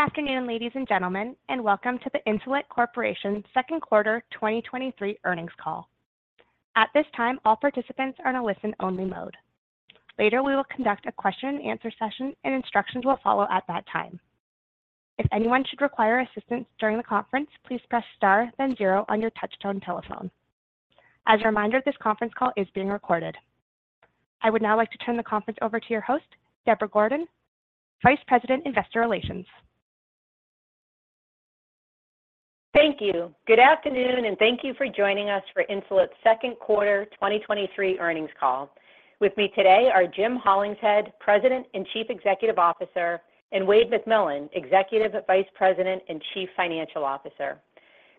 Good afternoon, ladies and gentlemen, and welcome to the Insulet Corporation second quarter 2023 earnings call. At this time, all participants are in a listen-only mode. Later, we will conduct a question-and-answer session, and instructions will follow at that time. If anyone should require assistance during the conference, please press star then zero on your touchtone telephone. As a reminder, this conference call is being recorded. I would now like to turn the conference over to your host, Deborah Gordon, Vice President, Investor Relations. Thank you. Good afternoon, and thank you for joining us for Insulet's Second Quarter 2023 Earnings Call. With me today are Jim Hollingshead, President and Chief Executive Officer, and Wayde McMillan, Executive Vice President and Chief Financial Officer.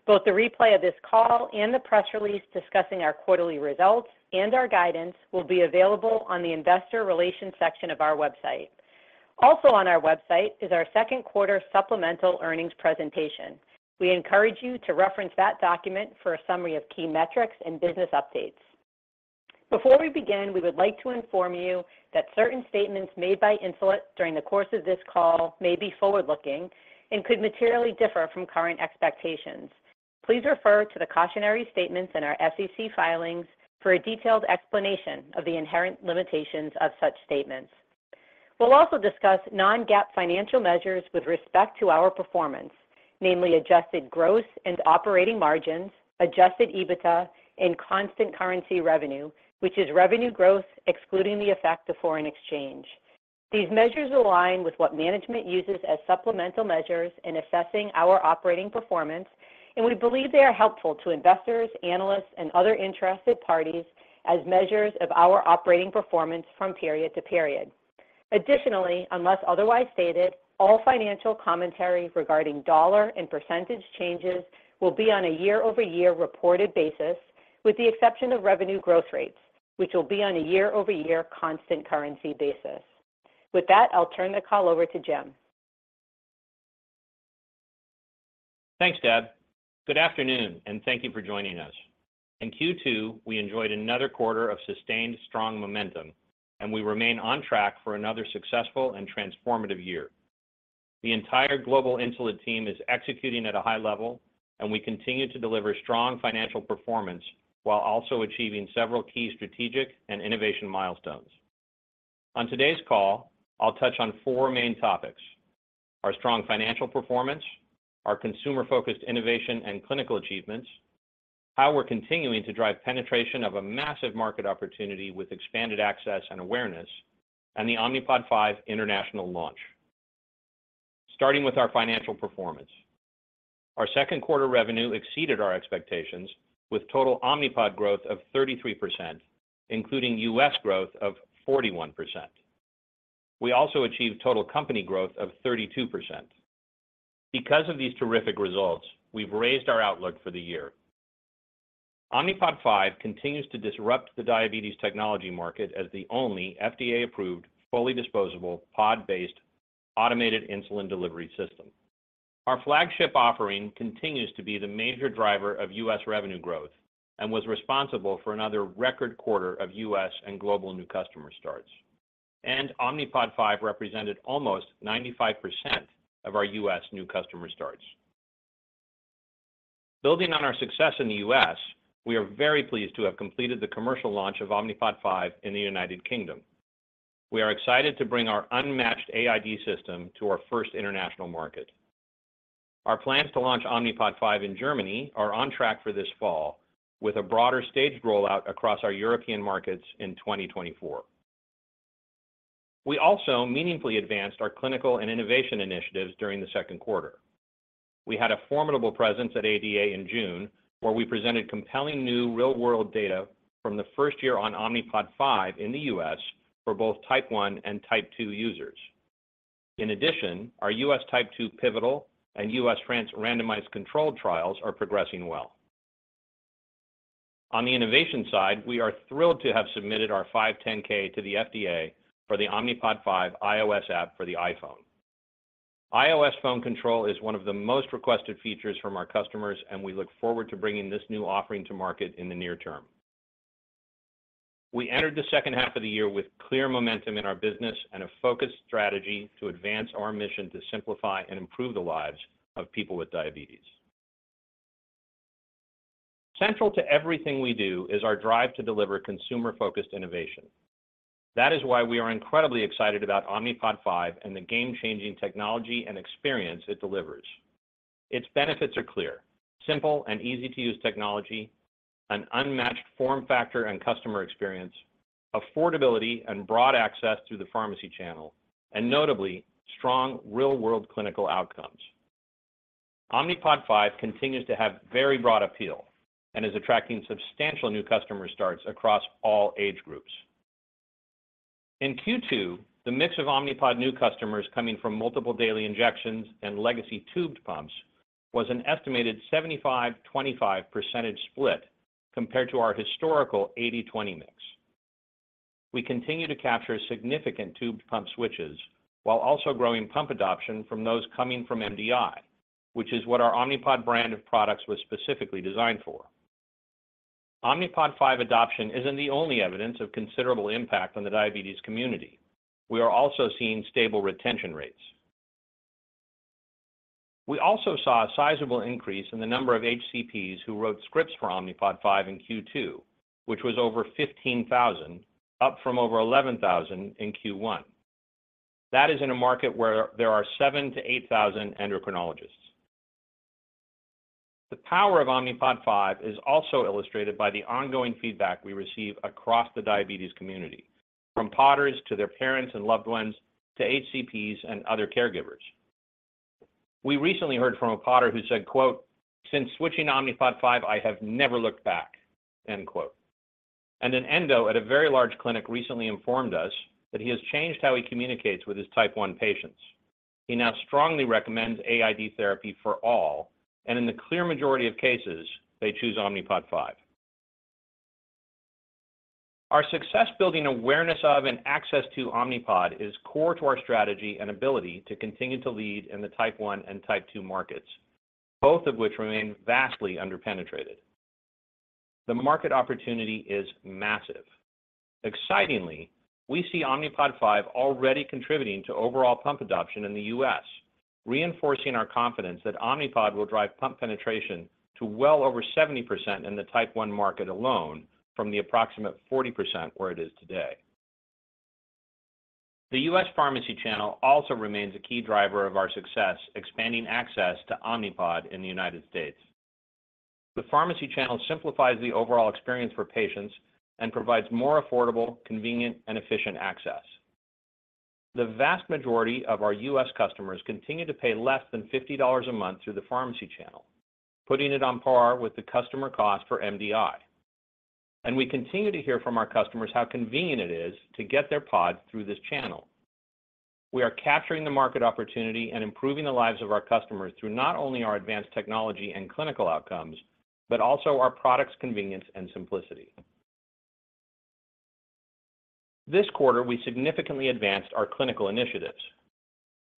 Both the replay of this call and the press release discussing our quarterly results and our guidance will be available on the investor relations section of our website. Also on our website is our second quarter supplemental earnings presentation. We encourage you to reference that document for a summary of key metrics and business updates. Before we begin, we would like to inform you that certain statements made by Insulet during the course of this call may be forward-looking and could materially differ from current expectations. Please refer to the cautionary statements in our SEC filings for a detailed explanation of the inherent limitations of such statements. We'll also discuss non-GAAP financial measures with respect to our performance, namely adjusted gross and operating margins, adjusted EBITDA, and constant currency revenue, which is revenue growth excluding the effect of foreign exchange. These measures align with what management uses as supplemental measures in assessing our operating performance, and we believe they are helpful to investors, analysts, and other interested parties as measures of our operating performance from period to period. Additionally, unless otherwise stated, all financial commentary regarding dollar and percentage changes will be on a year-over-year reported basis, with the exception of revenue growth rates, which will be on a year-over-year constant currency basis. With that, I'll turn the call over to Jim. Thanks, Deb. Good afternoon, and thank you for joining us. In Q2, we enjoyed another quarter of sustained strong momentum, and we remain on track for another successful and transformative year. The entire global Insulet team is executing at a high level, and we continue to deliver strong financial performance while also achieving several key strategic and innovation milestones. On today's call, I'll touch on four main topics: our strong financial performance, our consumer-focused innovation and clinical achievements, how we're continuing to drive penetration of a massive market opportunity with expanded access and awareness, and the Omnipod 5 international launch. Starting with our financial performance, our second quarter revenue exceeded our expectations, with total Omnipod growth of 33%, including US growth of 41%. We also achieved total company growth of 32%. Because of these terrific results, we've raised our outlook for the year. Omnipod 5 continues to disrupt the diabetes technology market as the only FDA-approved, fully disposable, pod-based automated insulin delivery system. Our flagship offering continues to be the major driver of U.S. revenue growth and was responsible for another record quarter of U.S. and global new customer starts. Omnipod 5 represented almost 95% of our U.S. new customer starts. Building on our success in the U.S., we are very pleased to have completed the commercial launch of Omnipod 5 in the United Kingdom. We are excited to bring our unmatched AID system to our first international market. Our plans to launch Omnipod 5 in Germany are on track for this fall, with a broader staged rollout across our European markets in 2024. We also meaningfully advanced our clinical and innovation initiatives during the second quarter. We had a formidable presence at ADA in June, where we presented compelling new real-world data from the first year on Omnipod 5 in the US for both Type 1 and Type 2 users. In addition, our US Type 2 pivotal and US randomized controlled trials are progressing well. On the innovation side, we are thrilled to have submitted our 510(k) to the FDA for the Omnipod 5 iOS app for the iPhone. iOS phone control is one of the most requested features from our customers, and we look forward to bringing this new offering to market in the near term. We entered the second half of the year with clear momentum in our business and a focused strategy to advance our mission to simplify and improve the lives of people with diabetes. Central to everything we do is our drive to deliver consumer-focused innovation. That is why we are incredibly excited about Omnipod 5 and the game-changing technology and experience it delivers. Its benefits are clear, simple, and easy-to-use technology, an unmatched form, factor, and customer experience, affordability and broad access through the pharmacy channel, and notably, strong real-world clinical outcomes. Omnipod 5 continues to have very broad appeal and is attracting substantial new customer starts across all age groups. In Q2, the mix of Omnipod new customers coming from multiple daily injections and legacy tubed pumps was an estimated 75/25% split, compared to our historical 80/20 mix. We continue to capture significant tubed pump switches while also growing pump adoption from those coming from MDI, which is what our Omnipod brand of products was specifically designed for. Omnipod 5 adoption isn't the only evidence of considerable impact on the diabetes community. We are also seeing stable retention rates. We also saw a sizable increase in the number of HCPs who wrote scripts for Omnipod 5 in Q2, which was over 15,000, up from over 11,000 in Q1. That is in a market where there are 7,000-8,000 endocrinologists. The power of Omnipod 5 is also illustrated by the ongoing feedback we receive across the diabetes community, from Podders to their parents and loved ones, to HCPs and other caregivers. We recently heard from a Podder who said, quote, "Since switching to Omnipod 5, I have never looked back," end quote. An endo at a very large clinic recently informed us that he has changed how he communicates with his Type 1 patients. He now strongly recommends AID therapy for all, and in the clear majority of cases, they choose Omnipod 5. Our success building awareness of and access to Omnipod is core to our strategy and ability to continue to lead in the Type 1 and Type 2 markets, both of which remain vastly underpenetrated. The market opportunity is massive. Excitingly, we see Omnipod 5 already contributing to overall pump adoption in the U.S., reinforcing our confidence that Omnipod will drive pump penetration to well over 70% in the Type 1 market alone, from the approximate 40% where it is today. The U.S. pharmacy channel also remains a key driver of our success, expanding access to Omnipod in the United States. The pharmacy channel simplifies the overall experience for patients and provides more affordable, convenient, and efficient access. The vast majority of our U.S. customers continue to pay less than $50 a month through the pharmacy channel, putting it on par with the customer cost for MDI. We continue to hear from our customers how convenient it is to get their Pod through this channel. We are capturing the market opportunity and improving the lives of our customers through not only our advanced technology and clinical outcomes, but also our product's convenience and simplicity. This quarter, we significantly advanced our clinical initiatives.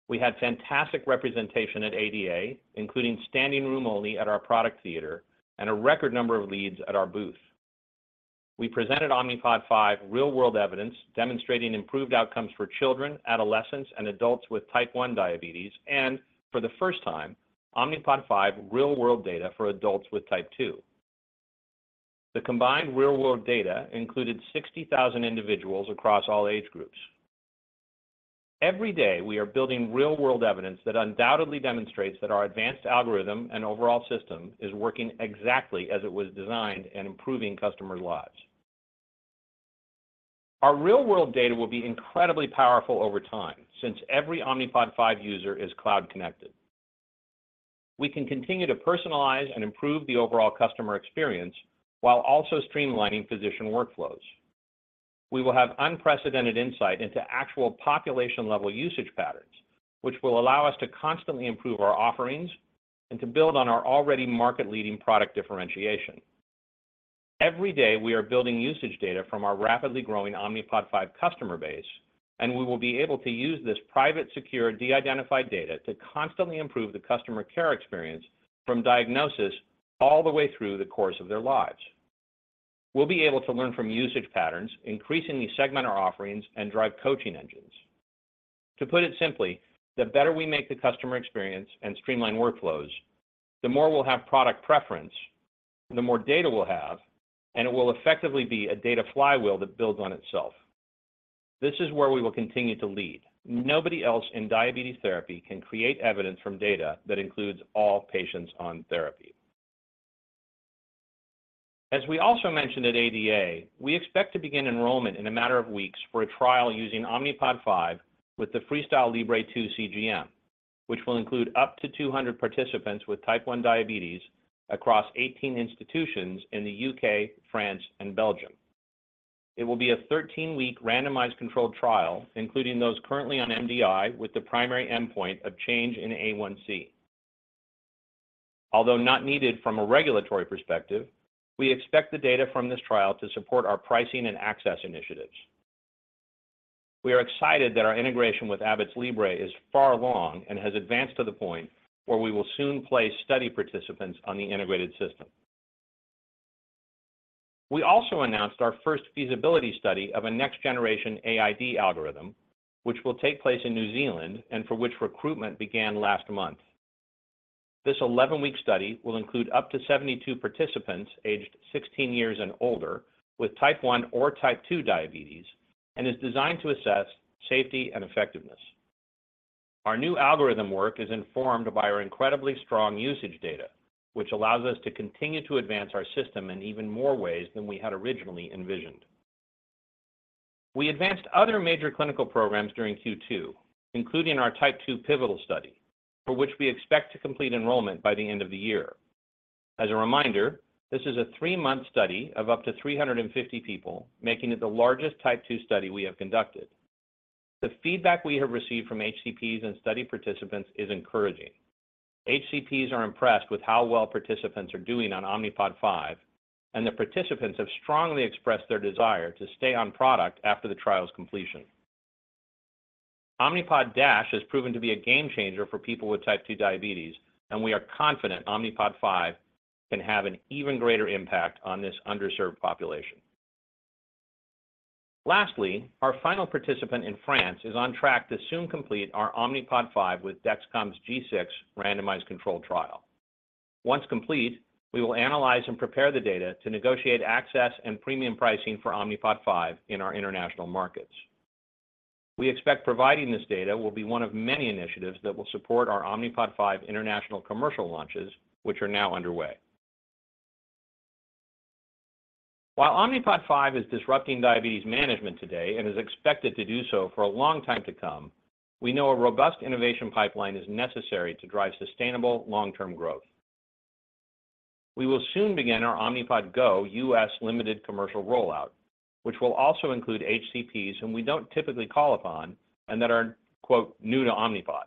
We had fantastic representation at ADA, including standing room only at our product theater and a record number of leads at our booth. We presented Omnipod 5 real-world evidence demonstrating improved outcomes for children, adolescents, and adults with Type 1 diabetes, and for the first time, Omnipod 5 real-world data for adults with Type 2. The combined real-world data included 60,000 individuals across all age groups. Every day, we are building real-world evidence that undoubtedly demonstrates that our advanced algorithm and overall system is working exactly as it was designed and improving customers' lives. Our real-world data will be incredibly powerful over time, since every Omnipod 5 user is cloud-connected. We can continue to personalize and improve the overall customer experience while also streamlining physician workflows. We will have unprecedented insight into actual population-level usage patterns, which will allow us to constantly improve our offerings and to build on our already market-leading product differentiation. Every day, we are building usage data from our rapidly growing Omnipod 5 customer base, and we will be able to use this private, secure, de-identified data to constantly improve the customer care experience from diagnosis all the way through the course of their lives. We'll be able to learn from usage patterns, increasingly segment our offerings, and drive coaching engines. To put it simply, the better we make the customer experience and streamline workflows, the more we'll have product preference, the more data we'll have, and it will effectively be a data flywheel that builds on itself. This is where we will continue to lead. Nobody else in diabetes therapy can create evidence from data that includes all patients on therapy. As we also mentioned at ADA, we expect to begin enrollment in a matter of weeks for a trial using Omnipod 5 with the FreeStyle Libre 2 CGM, which will include up to 200 participants with Type 1 diabetes across 18 institutions in the UK, France, and Belgium. It will be a 13-week randomized controlled trial, including those currently on MDI, with the primary endpoint of change in A1c. Although not needed from a regulatory perspective, we expect the data from this trial to support our pricing and access initiatives. We are excited that our integration with Abbott's Libre is far along and has advanced to the point where we will soon place study participants on the integrated system. We also announced our first feasibility study of a next generation AID algorithm, which will take place in New Zealand and for which recruitment began last month. This 11-week study will include up to 72 participants aged 16 years and older with Type 1 or Type 2 diabetes, and is designed to assess safety and effectiveness. Our new algorithm work is informed by our incredibly strong usage data, which allows us to continue to advance our system in even more ways than we had originally envisioned. We advanced other major clinical programs during Q2, including our Type 2 pivotal study, for which we expect to complete enrollment by the end of the year. As a reminder, this is a three-month study of up to 350 people, making it the largest Type 2 study we have conducted. The feedback we have received from HCPs and study participants is encouraging. HCPs are impressed with how well participants are doing on Omnipod 5, and the participants have strongly expressed their desire to stay on product after the trial's completion. Omnipod DASH has proven to be a game changer for people with type 2 diabetes, and we are confident Omnipod 5 can have an even greater impact on this underserved population. Lastly, our final participant in France is on track to soon complete our Omnipod 5 with Dexcom's G6 randomized controlled trial. Once complete, we will analyze and prepare the data to negotiate access and premium pricing for Omnipod 5 in our international markets. We expect providing this data will be one of many initiatives that will support our Omnipod 5 international commercial launches, which are now underway. While Omnipod 5 is disrupting diabetes management today and is expected to do so for a long time to come, we know a robust innovation pipeline is necessary to drive sustainable, long-term growth. We will soon begin our Omnipod Go U.S. limited commercial rollout, which will also include HCPs whom we don't typically call upon and that are, quote, "new to Omnipod."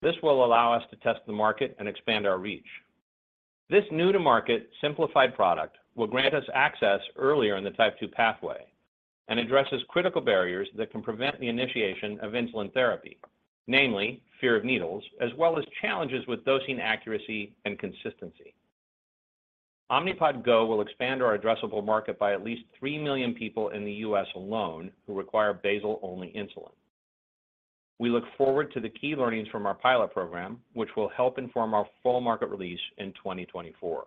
This will allow us to test the market and expand our reach. This new-to-market simplified product will grant us access earlier in the type 2 pathway and addresses critical barriers that can prevent the initiation of insulin therapy, namely fear of needles, as well as challenges with dosing accuracy and consistency. Omnipod Go will expand our addressable market by at least 3 million people in the US alone who require basal-only insulin. We look forward to the key learnings from our pilot program, which will help inform our full market release in 2024.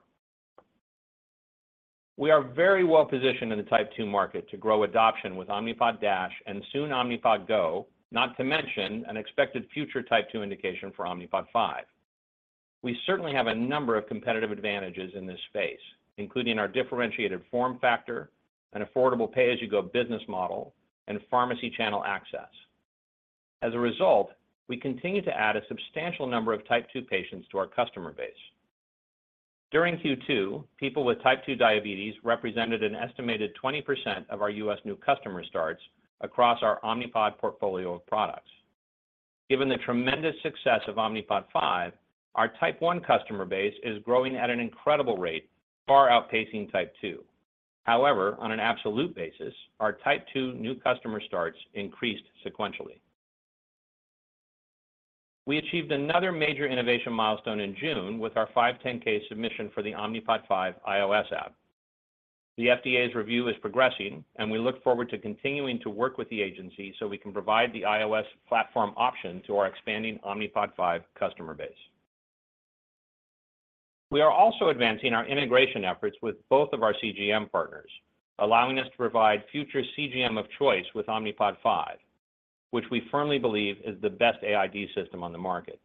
We are very well positioned in the type 2 market to grow adoption with Omnipod DASH and soon Omnipod Go, not to mention an expected future type 2 indication for Omnipod 5. We certainly have a number of competitive advantages in this space, including our differentiated form factor, an affordable pay-as-you-go business model, and pharmacy channel access. As a result, we continue to add a substantial number of type 2 patients to our customer base. During Q2, people with type 2 diabetes represented an estimated 20% of our U.S. new customer starts across our Omnipod portfolio of products. Given the tremendous success of Omnipod 5, our type 1 customer base is growing at an incredible rate, far outpacing type 2. However, on an absolute basis, our type 2 new customer starts increased sequentially. We achieved another major innovation milestone in June with our 510(k) submission for the Omnipod 5 iOS app. The FDA's review is progressing, and we look forward to continuing to work with the agency so we can provide the iOS platform option to our expanding Omnipod 5 customer base. We are also advancing our integration efforts with both of our CGM partners, allowing us to provide future CGM of choice with Omnipod 5, which we firmly believe is the best AID system on the market.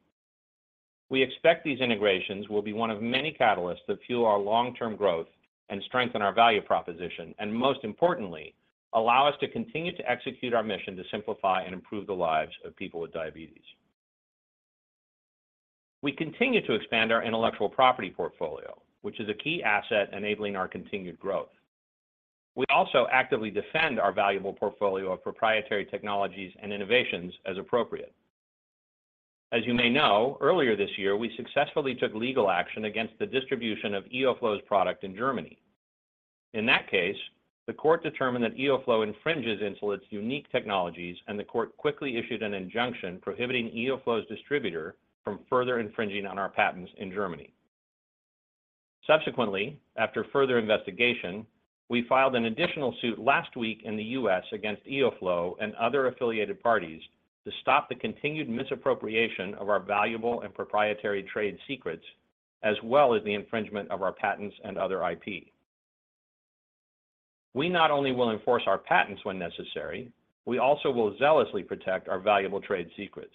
We expect these integrations will be one of many catalysts that fuel our long-term growth and strengthen our value proposition, and most importantly, allow us to continue to execute our mission to simplify and improve the lives of people with diabetes. We continue to expand our intellectual property portfolio, which is a key asset enabling our continued growth. We also actively defend our valuable portfolio of proprietary technologies and innovations as appropriate. As you may know, earlier this year, we successfully took legal action against the distribution of EOFlow's product in Germany. In that case, the court determined that EOFlow infringes Insulet's unique technologies, and the court quickly issued an injunction prohibiting EOFlow's distributor from further infringing on our patents in Germany. Subsequently, after further investigation, we filed an additional suit last week in the U.S. against EOFlow and other affiliated parties to stop the continued misappropriation of our valuable and proprietary trade secrets, as well as the infringement of our patents and other IP. We not only will enforce our patents when necessary, we also will zealously protect our valuable trade secrets.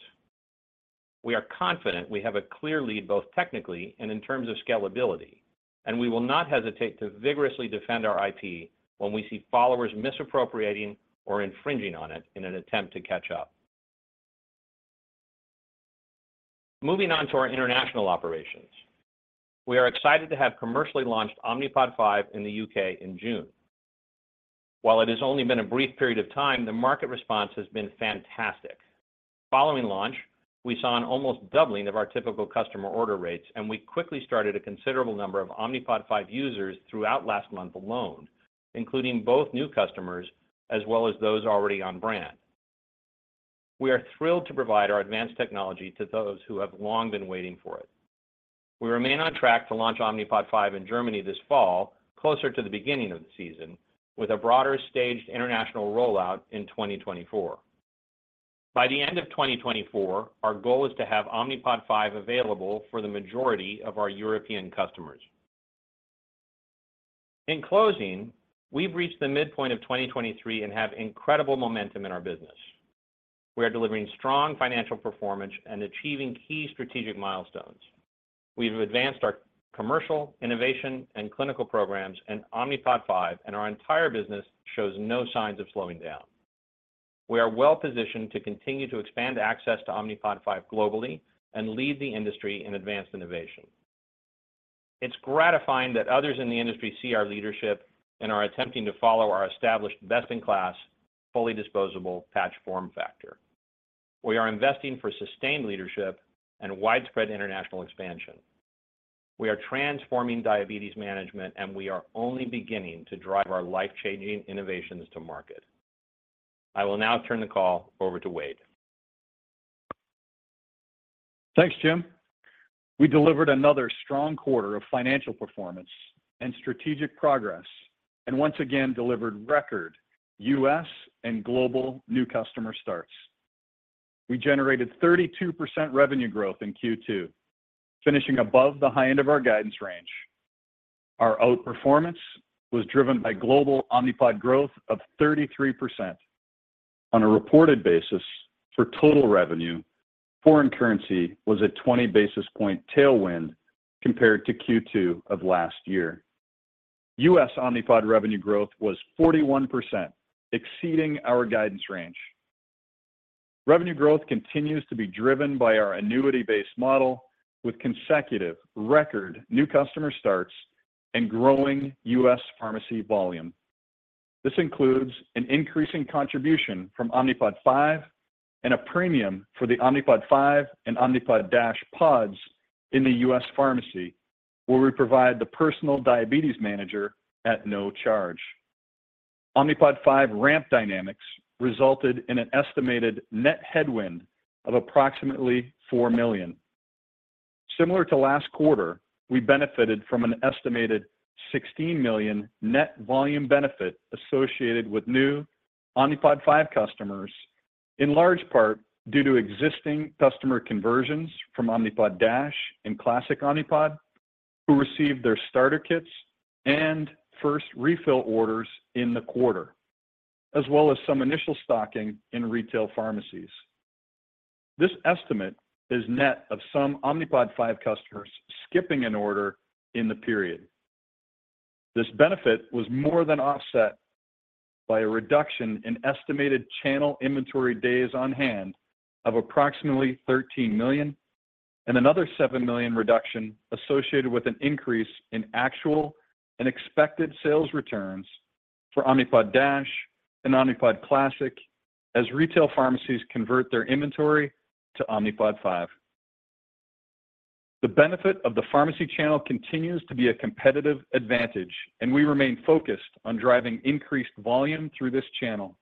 We are confident we have a clear lead, both technically and in terms of scalability, and we will not hesitate to vigorously defend our IP when we see followers misappropriating or infringing on it in an attempt to catch up. Moving on to our international operations. We are excited to have commercially launched Omnipod 5 in the U.K. in June. While it has only been a brief period of time, the market response has been fantastic. Following launch, we saw an almost doubling of our typical customer order rates, and we quickly started a considerable number of Omnipod 5 users throughout last month alone, including both new customers as well as those already on brand. We are thrilled to provide our advanced technology to those who have long been waiting for it. We remain on track to launch Omnipod 5 in Germany this fall, closer to the beginning of the season, with a broader staged international rollout in 2024. By the end of 2024, our goal is to have Omnipod 5 available for the majority of our European customers. In closing, we've reached the midpoint of 2023 and have incredible momentum in our business. We are delivering strong financial performance and achieving key strategic milestones. We've advanced our commercial, innovation, and clinical programs, and Omnipod 5 and our entire business shows no signs of slowing down. We are well positioned to continue to expand access to Omnipod 5 globally and lead the industry in advanced innovation. It's gratifying that others in the industry see our leadership and are attempting to follow our established, best-in-class, fully disposable patch form factor. We are investing for sustained leadership and widespread international expansion. We are transforming diabetes management, and we are only beginning to drive our life-changing innovations to market. I will now turn the call over to Wayde. Thanks, Jim. We delivered another strong quarter of financial performance and strategic progress, once again, delivered record U.S. and global new customer starts. We generated 32% revenue growth in Q2, finishing above the high end of our guidance range. Our outperformance was driven by global Omnipod growth of 33%. On a reported basis for total revenue, foreign currency was a 20 basis point tailwind compared to Q2 of last year. U.S. Omnipod revenue growth was 41%, exceeding our guidance range. Revenue growth continues to be driven by our annuity-based model, with consecutive record new customer starts and growing U.S. pharmacy volume. This includes an increasing contribution from Omnipod 5 and a premium for the Omnipod 5 and Omnipod DASH pods in the U.S. pharmacy, where we provide the Personal Diabetes Manager at no charge. Omnipod 5 ramp dynamics resulted in an estimated net headwind of approximately $4 million. Similar to last quarter, we benefited from an estimated $16 million net volume benefit associated with new Omnipod 5 customers, in large part due to existing customer conversions from Omnipod DASH and Omnipod Classic, who received their starter kits and first refill orders in the quarter, as well as some initial stocking in retail pharmacies. This estimate is net of some Omnipod 5 customers skipping an order in the period. This benefit was more than offset by a reduction in estimated channel inventory days on hand of approximately $13 million and another $7 million reduction associated with an increase in actual and expected sales returns for Omnipod DASH and Omnipod Classic, as retail pharmacies convert their inventory to Omnipod 5. The benefit of the pharmacy channel continues to be a competitive advantage. We remain focused on driving increased volume through this channel,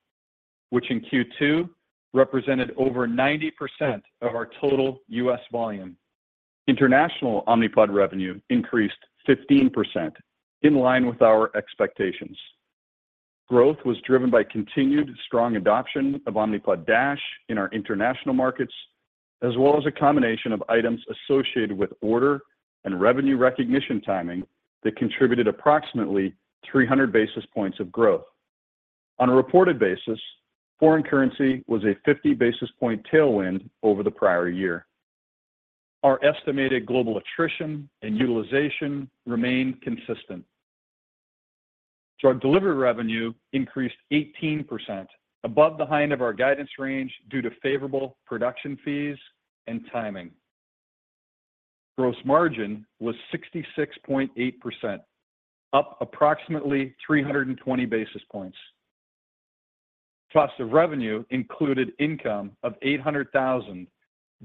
which in Q2 represented over 90% of our total U.S. volume. International Omnipod revenue increased 15%, in line with our expectations. Growth was driven by continued strong adoption of Omnipod DASH in our international markets, as well as a combination of items associated with order and revenue recognition timing that contributed approximately 300 basis points of growth. On a reported basis, foreign currency was a 50 basis point tailwind over the prior year. Our estimated global attrition and utilization remained consistent. Drug delivery revenue increased 18%, above the high end of our guidance range due to favorable production fees and timing. Gross margin was 66.8%, up approximately 320 basis points. Cost of revenue included income of $800,000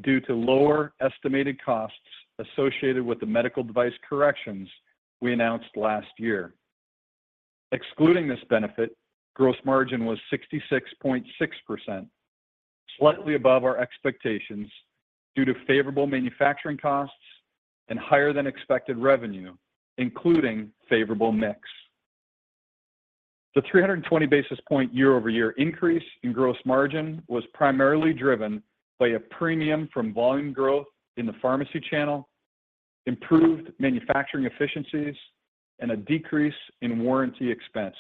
due to lower estimated costs associated with the medical device corrections we announced last year. Excluding this benefit, gross margin was 66.6%, slightly above our expectations due to favorable manufacturing costs and higher than expected revenue, including favorable mix. The 320 basis point year-over-year increase in gross margin was primarily driven by a premium from volume growth in the pharmacy channel, improved manufacturing efficiencies, and a decrease in warranty expense.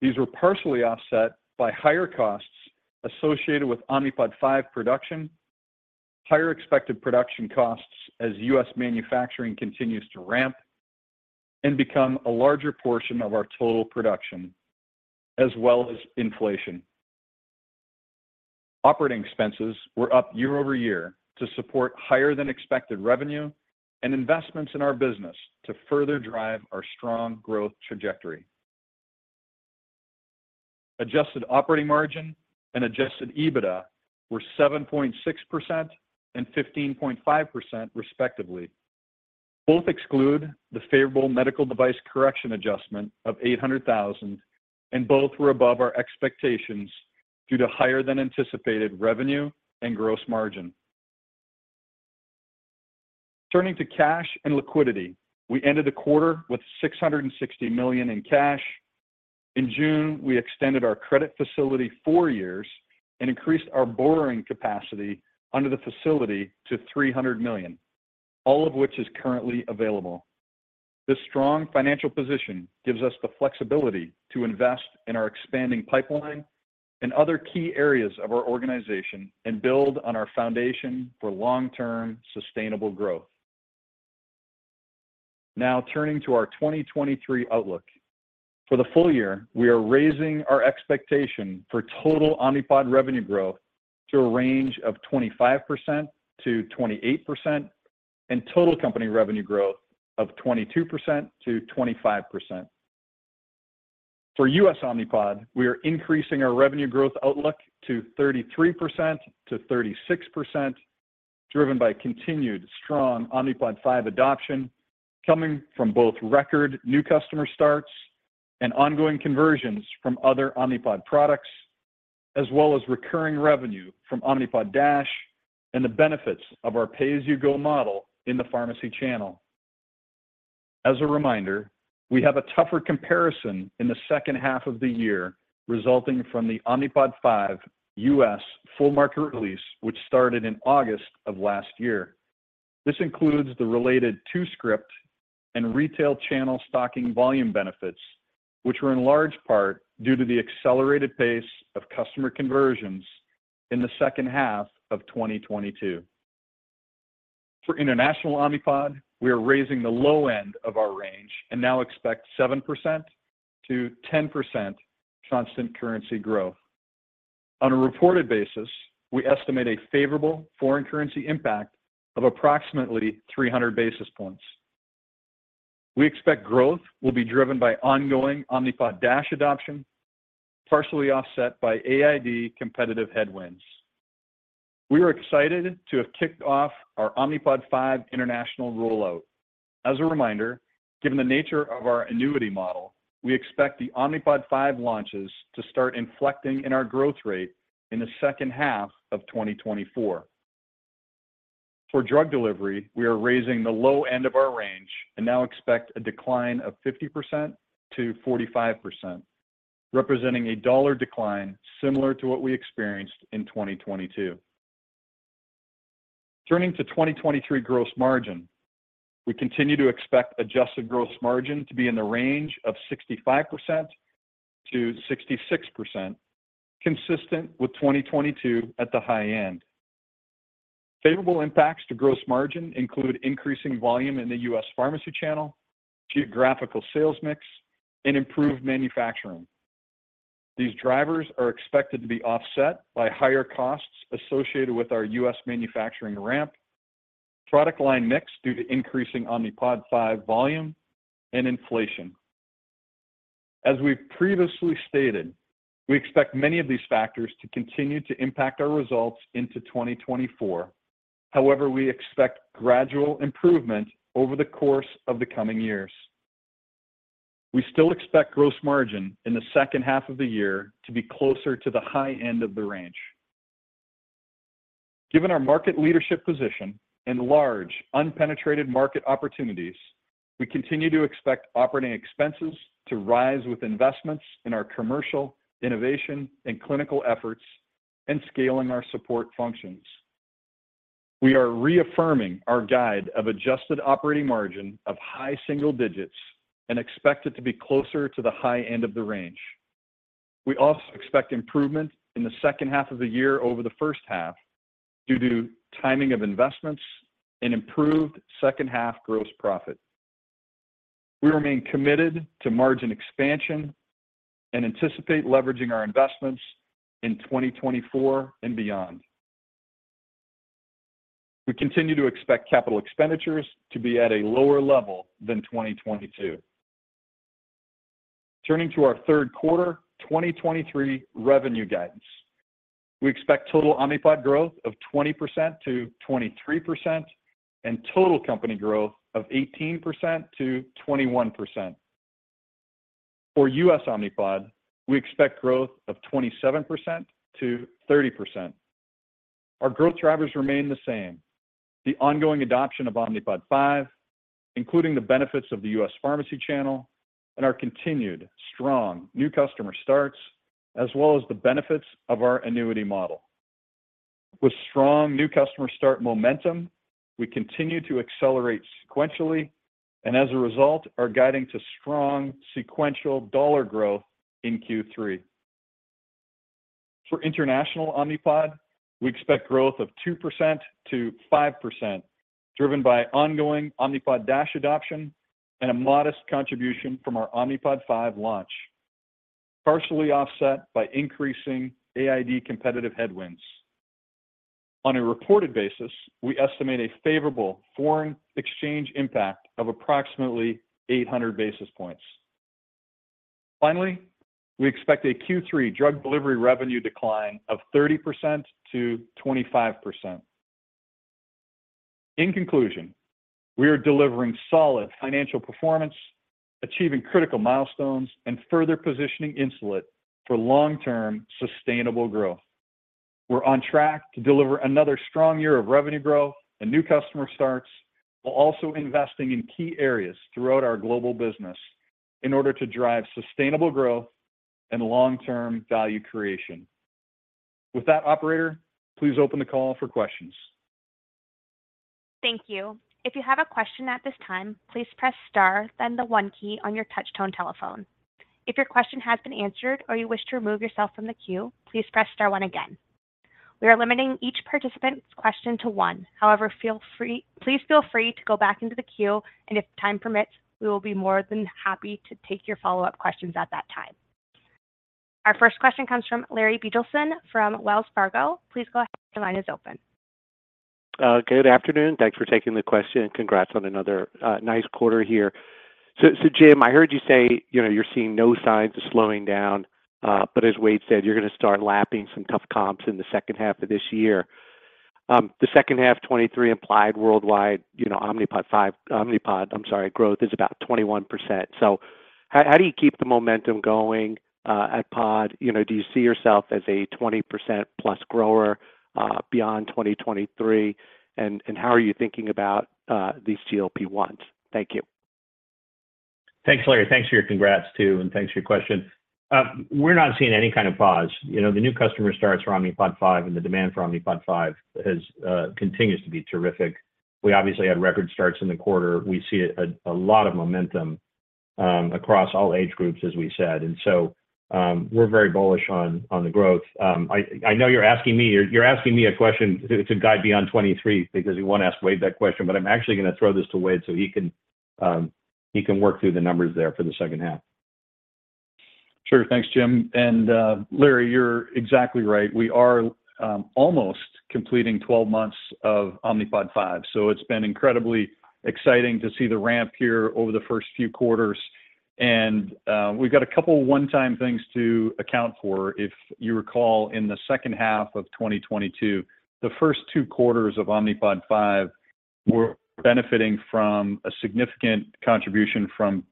These were partially offset by higher costs associated with Omnipod 5 production, higher expected production costs as U.S. manufacturing continues to ramp and become a larger portion of our total production, as well as inflation. Operating expenses were up year-over-year to support higher than expected revenue and investments in our business to further drive our strong growth trajectory. Adjusted operating margin and adjusted EBITDA were 7.6% and 15.5%, respectively. Both exclude the favorable medical device correction adjustment of $800,000, and both were above our expectations due to higher than anticipated revenue and gross margin. Turning to cash and liquidity, we ended the quarter with $660 million in cash. In June, we extended our credit facility four years and increased our borrowing capacity under the facility to $300 million, all of which is currently available. This strong financial position gives us the flexibility to invest in our expanding pipeline and other key areas of our organization and build on our foundation for long-term sustainable growth. Now, turning to our 2023 outlook. For the full year, we are raising our expectation for total Omnipod revenue growth to a range of 25%-28% and total company revenue growth of 22%-25%. For U.S. Omnipod, we are increasing our revenue growth outlook to 33%-36%, driven by continued strong Omnipod 5 adoption, coming from both record new customer starts and ongoing conversions from other Omnipod products, as well as recurring revenue from Omnipod DASH and the benefits of our pay-as-you-go model in the pharmacy channel. As a reminder, we have a tougher comparison in the second half of the year, resulting from the Omnipod 5 U.S. full market release, which started in August of last year. This includes the related 2 script and retail channel stocking volume benefits, which were in large part due to the accelerated pace of customer conversions in the second half of 2022. For international Omnipod, we are raising the low end of our range and now expect 7%-10% constant currency growth. On a reported basis, we estimate a favorable foreign currency impact of approximately 300 basis points. We expect growth will be driven by ongoing Omnipod DASH adoption, partially offset by AID competitive headwinds. We are excited to have kicked off our Omnipod 5 international rollout. As a reminder, given the nature of our annuity model, we expect the Omnipod 5 launches to start inflecting in our growth rate in the second half of 2024. For drug delivery, we are raising the low end of our range and now expect a decline of 50%-45%, representing a dollar decline similar to what we experienced in 2022. Turning to 2023 gross margin, we continue to expect adjusted gross margin to be in the range of 65%-66%, consistent with 2022 at the high end. Favorable impacts to gross margin include increasing volume in the U.S. pharmacy channel, geographical sales mix, and improved manufacturing. These drivers are expected to be offset by higher costs associated with our U.S. manufacturing ramp, product line mix due to increasing Omnipod 5 volume, and inflation. As we've previously stated, we expect many of these factors to continue to impact our results into 2024. However, we expect gradual improvement over the course of the coming years. We still expect gross margin in the second half of the year to be closer to the high end of the range. Given our market leadership position and large unpenetrated market opportunities, we continue to expect operating expenses to rise with investments in our commercial, innovation, and clinical efforts and scaling our support functions. We are reaffirming our guide of adjusted operating margin of high single digits and expect it to be closer to the high end of the range. We also expect improvement in the second half of the year over the first half due to timing of investments and improved second-half gross profit. We remain committed to margin expansion and anticipate leveraging our investments in 2024 and beyond. We continue to expect capital expenditures to be at a lower level than 2022. Turning to our third quarter 2023 revenue guidance. We expect total Omnipod growth of 20%-23% and total company growth of 18%-21%. For U.S. Omnipod, we expect growth of 27%-30%. Our growth drivers remain the same: the ongoing adoption of Omnipod 5, including the benefits of the U.S. pharmacy channel and our continued strong new customer starts, as well as the benefits of our annuity model. With strong new customer start momentum, we continue to accelerate sequentially and as a result, are guiding to strong sequential dollar growth in Q3. For international Omnipod, we expect growth of 2%-5%, driven by ongoing Omnipod DASH adoption and a modest contribution from our Omnipod 5 launch, partially offset by increasing AID competitive headwinds. On a reported basis, we estimate a favorable foreign exchange impact of approximately 800 basis points. Finally, we expect a Q3 drug delivery revenue decline of 30%-25%. In conclusion, we are delivering solid financial performance, achieving critical milestones, and further positioning Insulet for long-term sustainable growth. We're on track to deliver another strong year of revenue growth and new customer starts, while also investing in key areas throughout our global business in order to drive sustainable growth and long-term value creation. With that, operator, please open the call for questions. Thank you. If you have a question at this time, please press star, then the 1 key on your touch tone telephone. If your question has been answered or you wish to remove yourself from the queue, please press star 1 again. We are limiting each participant's question to 1. However, please feel free to go back into the queue, and if time permits, we will be more than happy to take your follow-up questions at that time. Our first question comes from Larry Biegelsen from Wells Fargo. Please go ahead. Your line is open. Good afternoon. Thanks for taking the question, and congrats on another nice quarter here. So Jim, I heard you say, you know, you're seeing no signs of slowing down, but as Wayde said, you're going to start lapping some tough comps in the second half of this year. The second half, 2023 implied worldwide, Omnipod 5-- Omnipod, I'm sorry, growth is about 21%. How do you keep the momentum going at Pod? You know, do you see yourself as a 20% plus grower beyond 2023? And how are you thinking about these GLP-1s? Thank you. Thanks, Larry. Thanks for your congrats, too, and thanks for your question. We're not seeing any kind of pause. You know, the new customer starts for Omnipod 5, and the demand for Omnipod 5 has continues to be terrific. We obviously had record starts in the quarter. We see a, a lot of momentum across all age groups, as we said, and so we're very bullish on, on the growth. I, I know you're asking me-- you're asking me a question to, to guide beyond 23 because you want to ask Wayde that question, but I'm actually going to throw this to Wayde so he can work through the numbers there for the second half. Sure. Thanks, Jim. Larry, you're exactly right. We are almost completing 12 months of Omnipod 5, so it's been incredibly exciting to see the ramp here over the first few quarters. We've got a couple of one-time things to account for. If you recall, in the second half of 2022, the first two quarters of Omnipod 5 were benefiting from a significant contribution from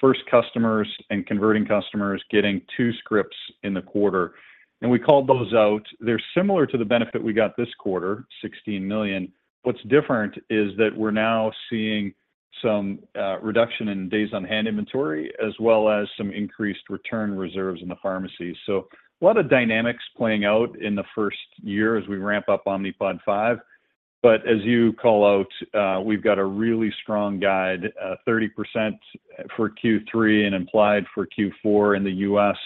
first customers and converting customers getting two scripts in the quarter, and we called those out. They're similar to the benefit we got this quarter, $16 million. What's different is that we're now seeing some reduction in days on hand inventory, as well as some increased return reserves in the pharmacy. A lot of dynamics playing out in the first year as we ramp up Omnipod 5. As you call out, we've got a really strong guide, 30% for Q3 and implied for Q4 in the US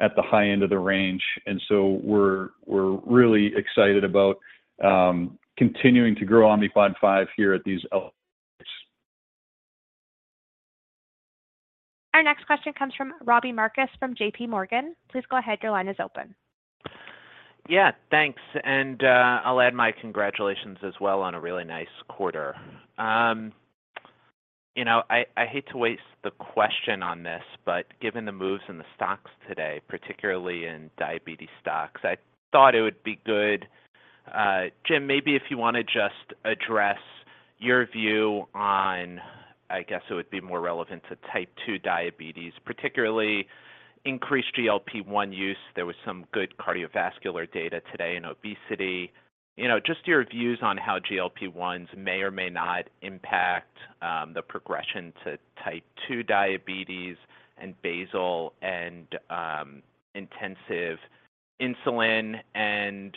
at the high end of the range. So we're, we're really excited about continuing to grow Omnipod 5 here at these levels. Our next question comes from Robbie Marcus from J.P. Morgan. Please go ahead. Your line is open. Yeah, thanks, and I'll add my congratulations as well on a really nice quarter. You know, I, I hate to waste the question on this, but given the moves in the stocks today, particularly in diabetes stocks, I thought it would be good. Jim, maybe if you want to just address your view on, I guess, it would be more relevant to type two diabetes, particularly increased GLP-1 use. There was some good cardiovascular data today in obesity. You know, just your views on how GLP-1s may or may not impact the progression to type two diabetes and basal and intensive insulin, and,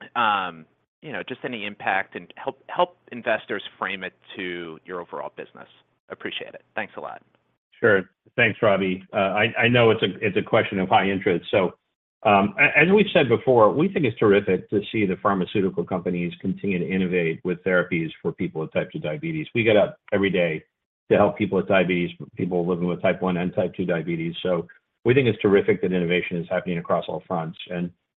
you know, just any impact and help, help investors frame it to your overall business. Appreciate it. Thanks a lot. Sure. Thanks, Robbie. I, I know it's a, it's a question of high interest. As we've said before, we think it's terrific to see the pharmaceutical companies continue to innovate with therapies for people with type 2 diabetes. We get up every day to help people with diabetes, people living with type 1 and type 2 diabetes, so we think it's terrific that innovation is happening across all fronts.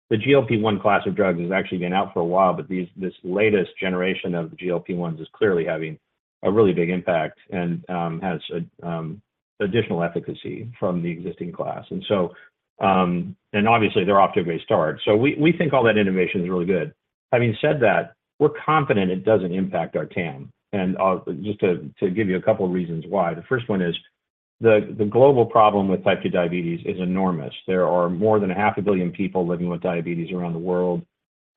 The GLP-1 class of drugs has actually been out for a while, but this latest generation of GLP-1s is clearly having a really big impact and has a additional efficacy from the existing class. Obviously, they're off to a great start. We, we think all that innovation is really good. Having said that, we're confident it doesn't impact our TAM. Just to give you 2 reasons why. The first one is the global problem with type 2 diabetes is enormous. There are more than 500 million people living with diabetes around the world,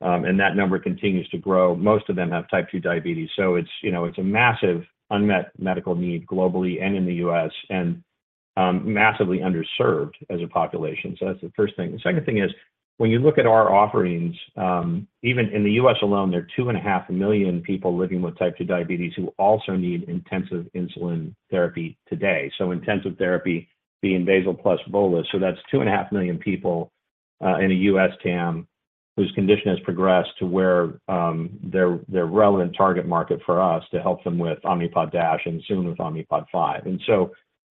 and that number continues to grow. Most of them have type 2 diabetes, so it's, you know, it's a massive unmet medical need globally and in the US, and massively underserved as a population. That's the first thing. The second thing is, when you look at our offerings, even in the US alone, there are 2.5 million people living with type 2 diabetes who also need intensive insulin therapy today. Intensive therapy being basal plus bolus. That's 2.5 million people in a U.S. TAM, whose condition has progressed to where they're, they're relevant target market for us to help them with Omnipod DASH and soon with Omnipod 5.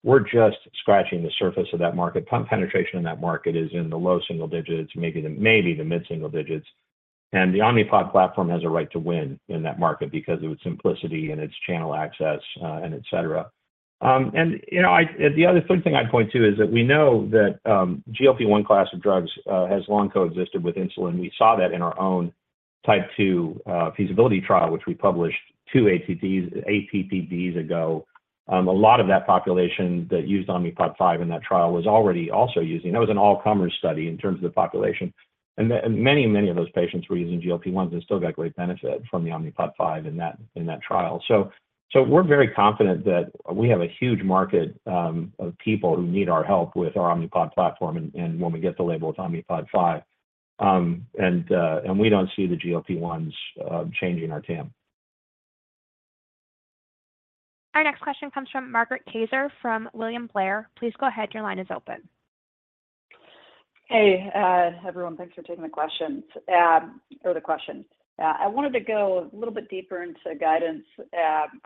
We're just scratching the surface of that market. Pump penetration in that market is in the low single digits, maybe the, maybe the mid single digits. The Omnipod platform has a right to win in that market because of its simplicity and its channel access, and et cetera. And, you know, the other third thing I'd point to is that we know that GLP-1 class of drugs has long coexisted with insulin. We saw that in our own type 2 feasibility trial, which we published 2 ATTDs ago. A lot of that population that used Omnipod 5 in that trial was already also using... That was an all-comer study in terms of the population, and many, many of those patients were using GLP-1s and still got great benefit from the Omnipod 5 in that, in that trial. We're very confident that we have a huge market of people who need our help with our Omnipod platform and, and when we get the label with Omnipod 5. We don't see the GLP-1s changing our TAM. Our next question comes from Margaret Kaczor from William Blair. Please go ahead. Your line is open. Hey, everyone, thanks for taking the questions, or the question. I wanted to go a little bit deeper into the guidance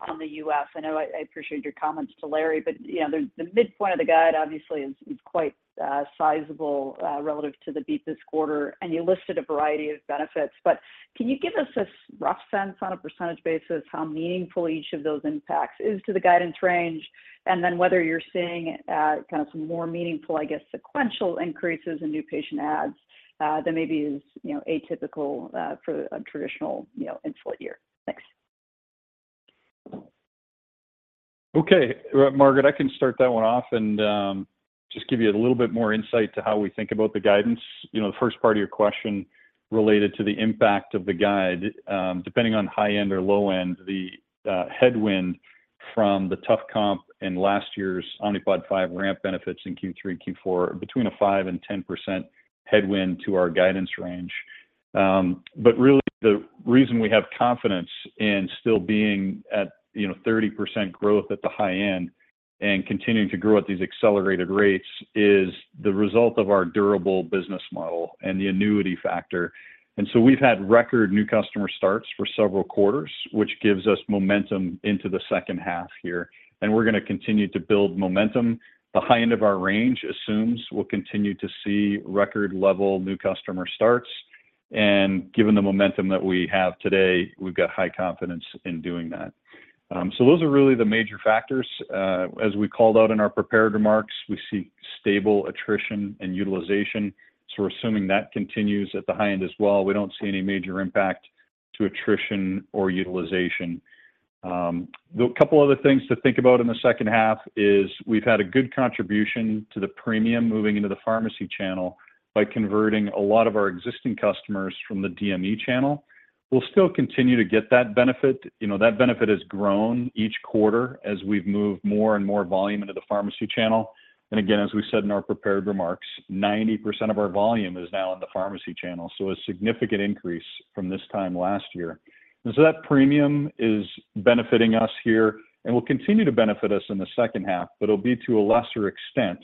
on the U.S. I know I, I appreciate your comments to Larry, you know, the, the midpoint of the guide obviously is, is quite sizable relative to the beat this quarter, and you listed a variety of benefits. Can you give us a rough sense on a percentage basis, how meaningful each of those impacts is to the guidance range, and then whether you're seeing kind of some more meaningful, I guess, sequential increases in new patient adds than maybe is, you know, atypical for a traditional, you know, in full year? Thanks. Okay. Margaret, I can start that one off and just give you a little bit more insight to how we think about the guidance. You know, the first part of your question related to the impact of the guide. Depending on high end or low end, the headwind from the tough comp in last year's Omnipod 5 ramp benefits in Q3 and Q4, between a 5% and 10% headwind to our guidance range. Really, the reason we have confidence in still being at, you know, 30% growth at the high end and continuing to grow at these accelerated rates, is the result of our durable business model and the annuity factor. So we've had record new customer starts for several quarters, which gives us momentum into the second half here, and we're gonna continue to build momentum. The high end of our range assumes we'll continue to see record-level new customer starts, and given the momentum that we have today, we've got high confidence in doing that. Those are really the major factors. As we called out in our prepared remarks, we see stable attrition and utilization, so we're assuming that continues at the high end as well. We don't see any major impact to attrition or utilization. The couple other things to think about in the second half is we've had a good contribution to the premium moving into the pharmacy channel by converting a lot of our existing customers from the DME channel. We'll still continue to get that benefit. You know, that benefit has grown each quarter as we've moved more and more volume into the pharmacy channel. Again, as we said in our prepared remarks, 90% of our volume is now in the pharmacy channel, a significant increase from this time last year. That premium is benefiting us here and will continue to benefit us in the second half, it'll be to a lesser extent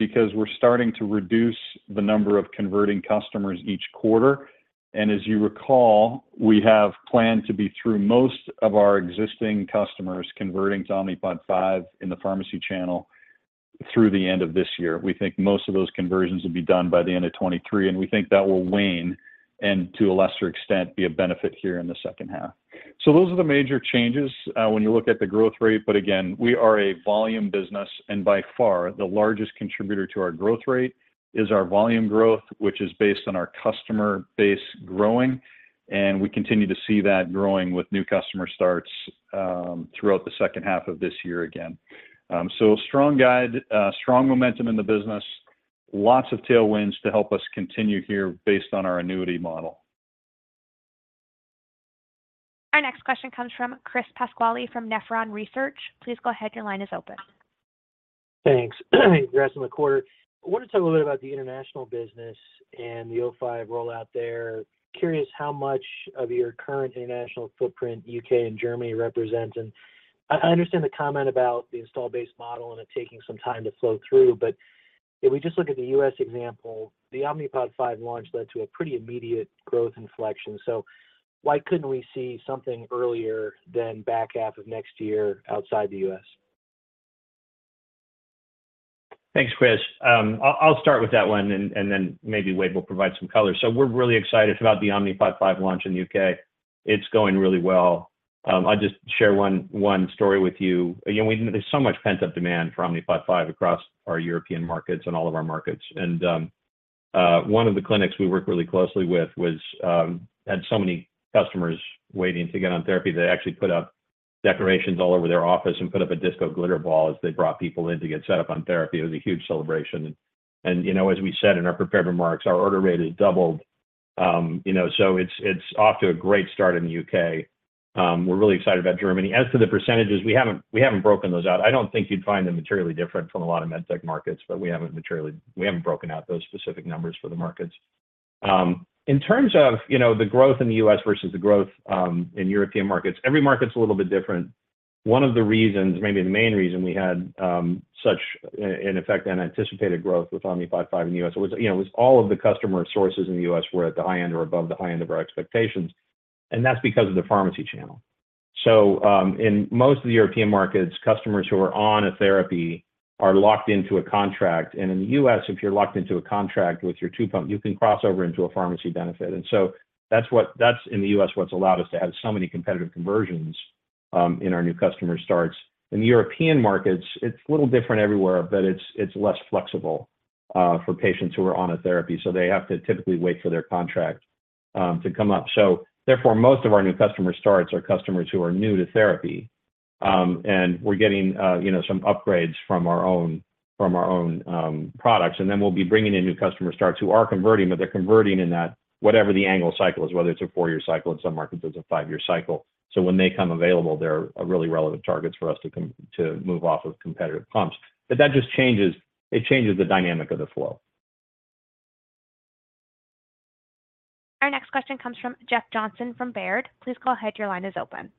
because we're starting to reduce the number of converting customers each quarter. As you recall, we have planned to be through most of our existing customers converting to Omnipod 5 in the pharmacy channel through the end of this year. We think most of those conversions will be done by the end of 2023, we think that will wane, to a lesser extent, be a benefit here in the second half. Those are the major changes when you look at the growth rate. Again, we are a volume business, and by far, the largest contributor to our growth rate is our volume growth, which is based on our customer base growing, and we continue to see that growing with new customer starts throughout the second half of this year again. Strong guide, strong momentum in the business, lots of tailwinds to help us continue here based on our annuity model. Our next question comes from Chris Pasquale from Nephron Research. Please go ahead. Your line is open. Thanks. Congrats on the quarter. I wanted to talk a little bit about the international business and the O5 rollout there. Curious how much of your current international footprint U.K. and Germany represent. I understand the comment about the install-based model and it taking some time to flow through. If we just look at the U.S. example, the Omnipod 5 launch led to a pretty immediate growth inflection. Why couldn't we see something earlier than back half of next year outside the U.S.? Thanks, Chris. I'll, I'll start with that one, and then, and then maybe Wade will provide some color. We're really excited about the Omnipod 5 launch in the UK. It's going really well. I'll just share one, one story with you. Again, we-- there's so much pent-up demand for Omnipod 5 across our European markets and all of our markets. One of the clinics we work really closely with was had so many customers waiting to get on therapy. They actually put up decorations all over their office and put up a disco glitter ball as they brought people in to get set up on therapy. It was a huge celebration. You know, as we said in our prepared remarks, our order rate has doubled. You know, so it's, it's off to a great start in the UK. We're really excited about Germany. As to the percentages, we haven't, we haven't broken those out. I don't think you'd find them materially different from a lot of medtech markets, but we haven't broken out those specific numbers for the markets. In terms of, you know, the growth in the U.S. versus the growth in European markets, every market's a little bit different. One of the reasons, maybe the main reason we had such, in effect, unanticipated growth with Omnipod 5 in the U.S., it was, you know, it was all of the customer sources in the U.S. were at the high end or above the high end of our expectations, and that's because of the pharmacy channel. In most of the European markets, customers who are on a therapy are locked into a contract, and in the US, if you're locked into a contract with your tube pump, you can cross over into a pharmacy benefit. That's in the US, what's allowed us to have so many competitive conversions in our new customer starts. In the European markets, it's a little different everywhere, but it's, it's less flexible for patients who are on a therapy, so they have to typically wait for their contract to come up. Most of our new customer starts are customers who are new to therapy. We're getting, you know, some upgrades from our own products, and then we'll be bringing in new customer starts who are converting, but they're converting in that whatever the angle cycle is, whether it's a 4-year cycle, in some markets, it's a 5-year cycle. When they come available, they're a really relevant targets for us to move off of competitive pumps. That just changes, it changes the dynamic of the flow. Our next question comes from Jeff Johnson from Baird. Please go ahead. Your line is open.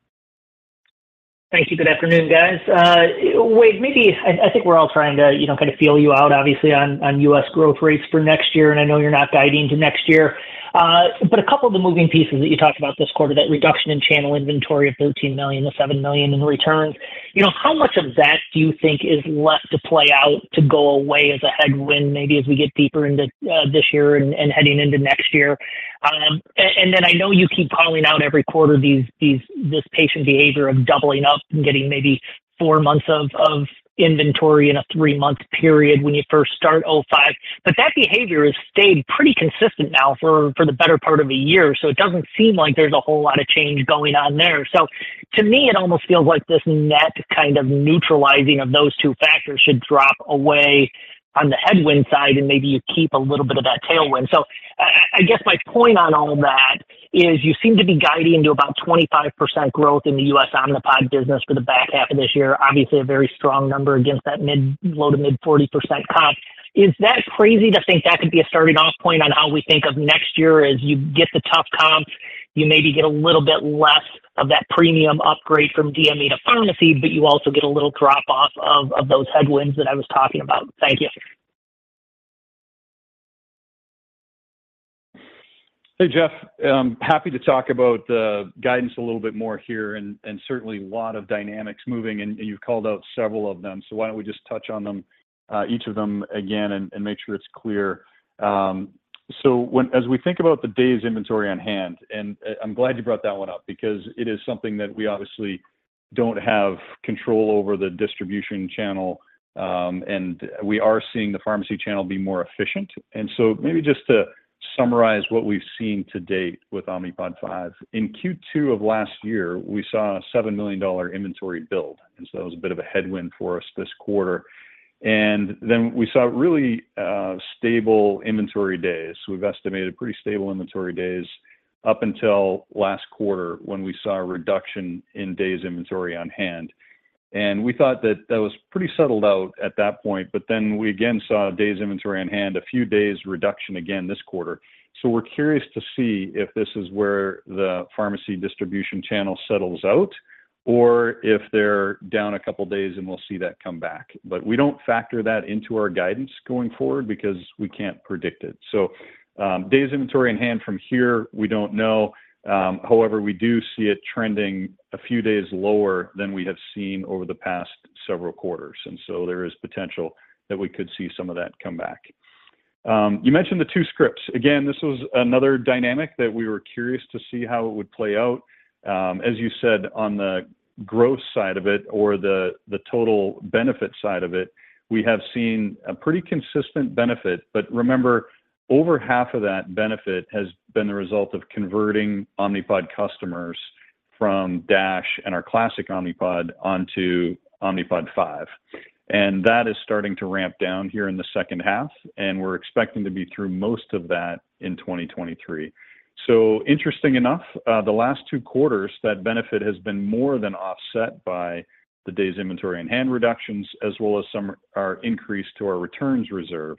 Thank you. Good afternoon, guys. Wayde, maybe I, I think we're all trying to, you know, kind of feel you out, obviously, on, on US growth rates for next year, and I know you're not guiding to next year. But a couple of the moving pieces that you talked about this quarter, that reduction in channel inventory of $13 million to $7 million in returns. You know, how much of that do you think is left to play out to go away as a headwind, maybe as we get deeper into this year and, and heading into next year? I know you keep calling out every quarter, this patient behavior of doubling up and getting maybe four months of, of inventory in a three-month period when you first start five. That behavior has stayed pretty consistent now for, for the better part of a year, it doesn't seem like there's a whole lot of change going on there. To me, it almost feels like this net kind of neutralizing of those two factors should drop away on the headwind side, and maybe you keep a little bit of that tailwind. I, I, I guess my point on all of that is you seem to be guiding to about 25% growth in the U.S. Omnipod business for the back half of this year. Obviously, a very strong number against that low to mid 40% comp. Is that crazy to think that could be a starting off point on how we think of next year? As you get the tough comps, you maybe get a little bit less of that premium upgrade from DME to pharmacy, you also get a little drop-off of those headwinds that I was talking about. Thank you. Hey, Jeff, happy to talk about the guidance a little bit more here, and certainly a lot of dynamics moving, and you've called out several of them. Why don't we just touch on them, each of them again and make sure it's clear? As we think about the days inventory on hand, and I'm glad you brought that one up because it is something that we obviously don't have control over the distribution channel, and we are seeing the pharmacy channel be more efficient. Maybe just to summarize what we've seen to date with Omnipod 5. In Q2 of last year, we saw a $7 million inventory build, and so that was a bit of a headwind for us this quarter. Then we saw really stable inventory days. We've estimated pretty stable inventory days up until last quarter, when we saw a reduction in days inventory on hand. We thought that that was pretty settled out at that point, but then we again saw days inventory on hand, a few days reduction again this quarter. We're curious to see if this is where the pharmacy distribution channel settles out or if they're down a couple of days, and we'll see that come back. We don't factor that into our guidance going forward because we can't predict it. Days inventory on hand from here, we don't know. However, we do see it trending a few days lower than we have seen over the past several quarters, and so there is potential that we could see some of that come back. You mentioned the two scripts. This was another dynamic that we were curious to see how it would play out. As you said, on the growth side of it or the, the total benefit side of it, we have seen a pretty consistent benefit. Remember, over half of that benefit has been the result of converting Omnipod customers from Omnipod DASH and our Omnipod Classic onto Omnipod 5, and that is starting to ramp down here in the second half, and we're expecting to be through most of that in 2023. Interesting enough, the last two quarters, that benefit has been more than offset by the days' inventory and hand reductions, as well as some are increased to our returns reserve.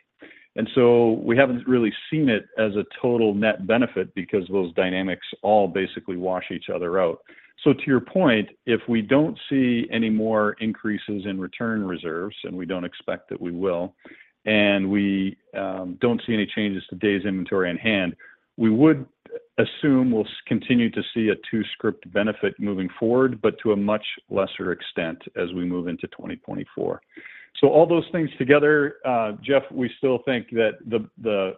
So we haven't really seen it as a total net benefit because those dynamics all basically wash each other out. To your point, if we don't see any more increases in return reserves, and we don't expect that we will, and we don't see any changes to days' inventory on hand, we would assume we'll continue to see a two-script benefit moving forward, but to a much lesser extent as we move into 2024. All those things together, Jeff, we still think that the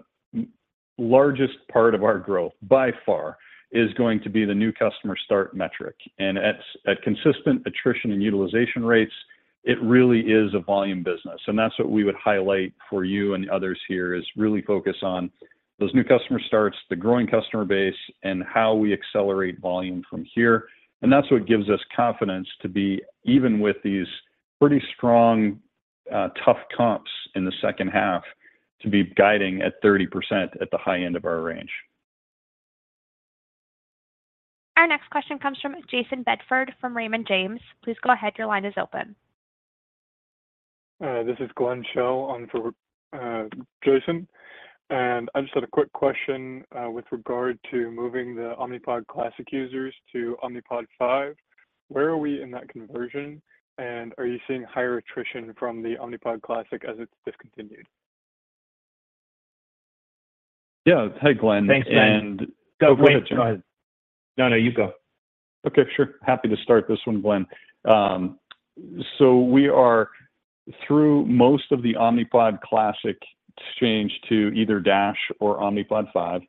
largest part of our growth, by far, is going to be the new customer start metric. At consistent attrition and utilization rates, it really is a volume business, and that's what we would highlight for you and others here, is really focus on those new customer starts, the growing customer base, and how we accelerate volume from here. That's what gives us confidence to be, even with these pretty strong, tough comps in the second half, to be guiding at 30% at the high end of our range. Our next question comes from Jayson Bedford, from Raymond James. Please go ahead. Your line is open. This is Glenn Shell on for Jayson. I just had a quick question with regard to moving the Omnipod Classic users to Omnipod 5. Where are we in that conversion? Are you seeing higher attrition from the Omnipod Classic as it's discontinued? Yeah. Hey, Glenn. Thanks, Glenn. And- Go ahead. No, no, you go. Okay, sure. Happy to start this one, Glenn. We are through most of the Omnipod Classic exchange to either Dash or Omnipod 5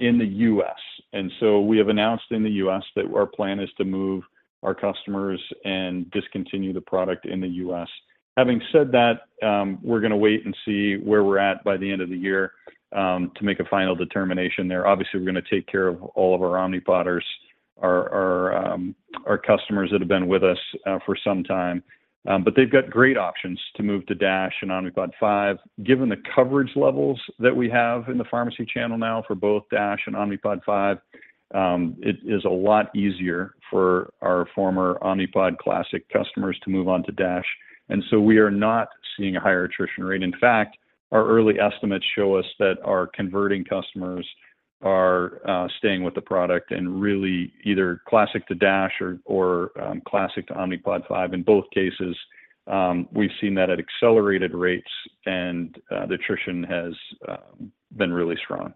in the U.S. We have announced in the U.S. that our plan is to move our customers and discontinue the product in the U.S. Having said that, we're gonna wait and see where we're at by the end of the year to make a final determination there. Obviously, we're gonna take care of all of our Omnipodders, our, our, our customers that have been with us for some time. They've got great options to move to Dash and Omnipod 5. Given the coverage levels that we have in the pharmacy channel now for both Dash and Omnipod 5, it is a lot easier for our former Omnipod Classic customers to move on to Dash. We are not seeing a higher attrition rate. In fact, our early estimates show us that our converting customers are staying with the product and really either Omnipod Classic to Omnipod DASH or Omnipod Classic to Omnipod 5. In both cases, we've seen that at accelerated rates, and the attrition has been really strong.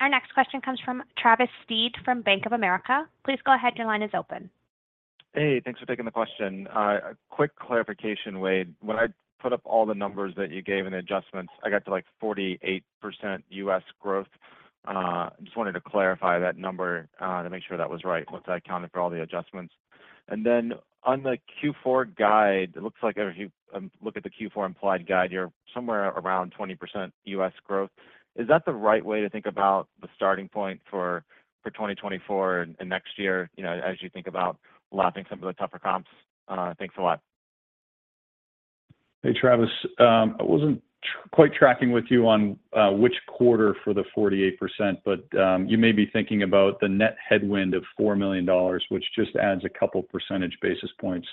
Our next question comes from Travis Steed from Bank of America. Please go ahead. Your line is open. Hey, thanks for taking the question. A quick clarification, Wayde. When I put up all the numbers that you gave in the adjustments, I got to, like, 48% U.S. growth. Just wanted to clarify that number to make sure that was right, once I accounted for all the adjustments. Then on the Q4 guide, it looks like if you look at the Q4 implied guide, you're somewhere around 20% U.S. growth. Is that the right way to think about the starting point for 2024 and next year, you know, as you think about lapping some of the tougher comps? Thanks a lot. Hey, Travis. I wasn't quite tracking with you on which quarter for the 48%, but you may be thinking about the net headwind of $4 million, which just adds a couple percentage basis points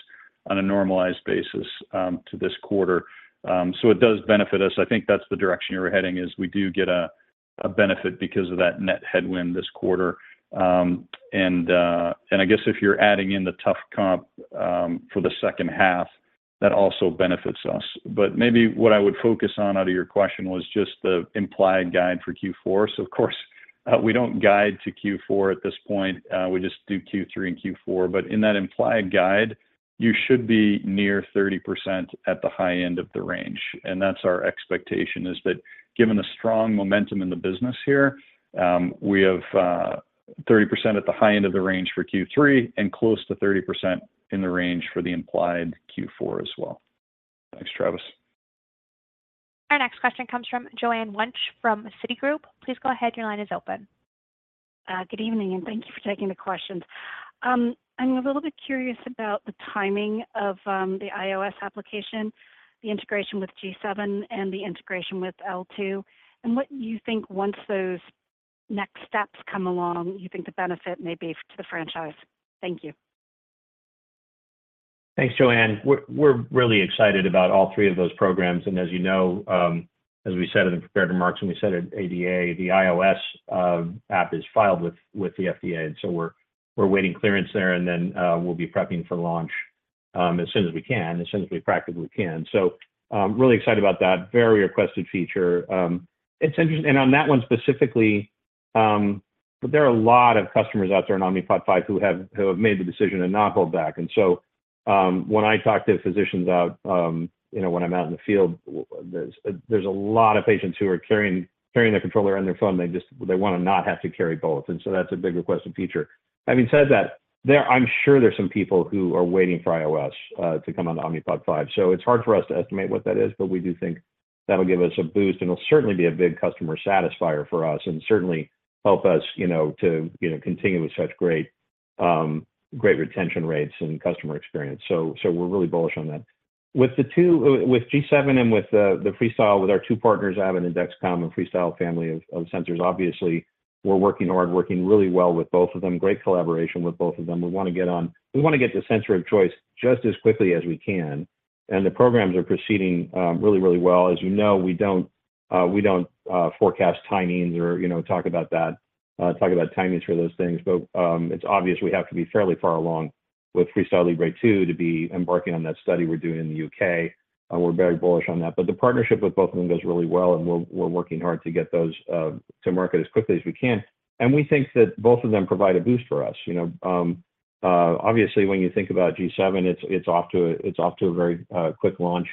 on a normalized basis to this quarter. It does benefit us. I think that's the direction you were heading, is we do get a benefit because of that net headwind this quarter. I guess if you're adding in the tough comp for the second half, that also benefits us. Maybe what I would focus on out of your question was just the implied guide for Q4. Of course, we don't guide to Q4 at this point, we just do Q3 and Q4. In that implied guide, you should be near 30% at the high end of the range. That's our expectation, is that given the strong momentum in the business here, we have 30% at the high end of the range for Q3 and close to 30% in the range for the implied Q4 as well. Thanks, Travis. Our next question comes from Joanne Wuensch from Citigroup. Please go ahead. Your line is open. Good evening, and thank you for taking the questions. I'm a little bit curious about the timing of the iOS application, the integration with G7, and the integration with L2. What you think once those next steps come along, you think the benefit may be to the franchise? Thank you. Thanks, Joanne. We're really excited about all 3 of those programs. As you know, as we said in the prepared remarks, and we said at ADA, the iOS app is filed with the FDA. We're waiting clearance there, then we'll be prepping for launch as soon as we can, as soon as we practically can. Really excited about that, very requested feature. It's interesting. On that one specifically, there are a lot of customers out there on Omnipod 5 who have made the decision to not hold back. When I talk to physicians out, you know, when I'm out in the field, there's a lot of patients who are carrying their controller on their phone. They wanna not have to carry both. That's a big requested feature. Having said that, I'm sure there are some people who are waiting for iOS to come on the Omnipod 5, so it's hard for us to estimate what that is, but we do think that'll give us a boost. It'll certainly be a big customer satisfier for us and certainly help us, you know, to, you know, continue with such great great retention rates and customer experience. So we're really bullish on that. With the 2, with G7 and with the FreeStyle, with our two partners, Abbott and Dexcom, and FreeStyle family of sensors. Obviously, we're working hard, working really well with both of them. Great collaboration with both of them. We wanna get on-- we wanna get to sensor of choice just as quickly as we can, and the programs are proceeding really, really well. As you know, we don't, we don't forecast timings or, you know, talk about that, talk about timings for those things. It's obvious we have to be fairly far along with FreeStyle Libre 2 to be embarking on that study we're doing in the UK, and we're very bullish on that. The partnership with both of them goes really well, and we're, we're working hard to get those to market as quickly as we can. We think that both of them provide a boost for us. You know, obviously, when you think about G7, it's, it's off to a, it's off to a very, quick launch,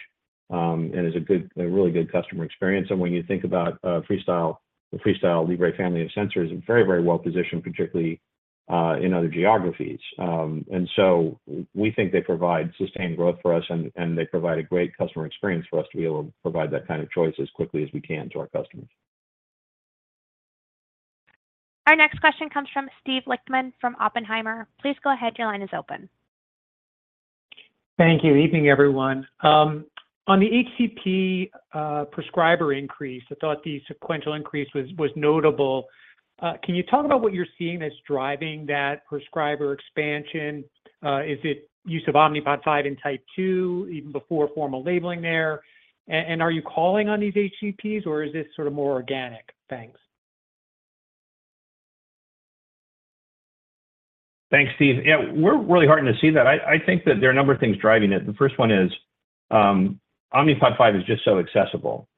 and is a good, a really good customer experience. When you think about, FreeStyle, the FreeStyle Libre family of sensors is very, very well positioned, particularly, in other geographies. So we think they provide sustained growth for us, and, and they provide a great customer experience for us to be able to provide that kind of choice as quickly as we can to our customers. Our next question comes from Steve Lichtman from Oppenheimer. Please go ahead. Your line is open. Thank you. Evening, everyone. On the HCP prescriber increase, I thought the sequential increase was, was notable. Can you talk about what you're seeing as driving that prescriber expansion? Is it use of Omnipod 5 in type 2, even before formal labeling there? Are you calling on these HCPs, or is this sort of more organic? Thanks. Thanks, Steve. Yeah, we're really heartened to see that. I, I think that there are a number of things driving it. The first one is, Omnipod 5 is just so accessible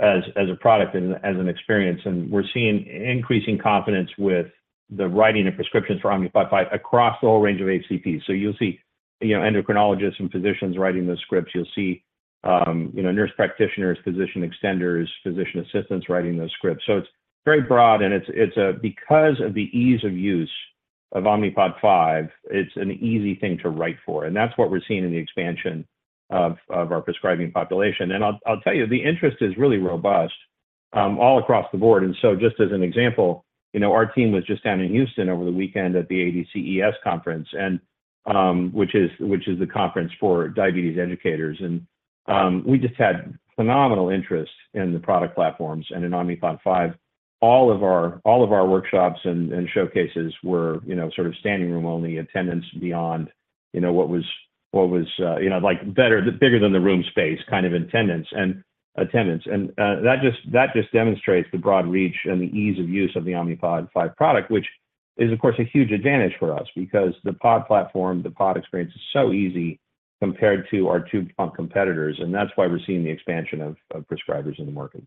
as, as a product and as an experience, and we're seeing increasing confidence with the writing of prescriptions for Omnipod 5 across the whole range of HCPs. You'll see, you know, endocrinologists and physicians writing those scripts. You'll see, you know, nurse practitioners, physician extenders, physician assistants writing those scripts. It's very broad, and it's because of the ease of use of Omnipod 5, it's an easy thing to write for. That's what we're seeing in the expansion of, of our prescribing population. I'll, I'll tell you, the interest is really robust, all across the board. Just as an example, you know, our team was just down in Houston over the weekend at the ADCES conference, which is, which is the conference for diabetes educators. We just had phenomenal interest in the product platforms and in Omnipod 5. All of our, all of our workshops and, and showcases were, you know, sort of standing room only attendance beyond, you know, what was, what was, like, better, bigger than the room space kind of attendance and attendance. That just, that just demonstrates the broad reach and the ease of use of the Omnipod 5 product, which is, of course, a huge advantage for us because the Pod platform, the Pod experience is so easy compared to our two pump competitors, and that's why we're seeing the expansion of, of prescribers in the market.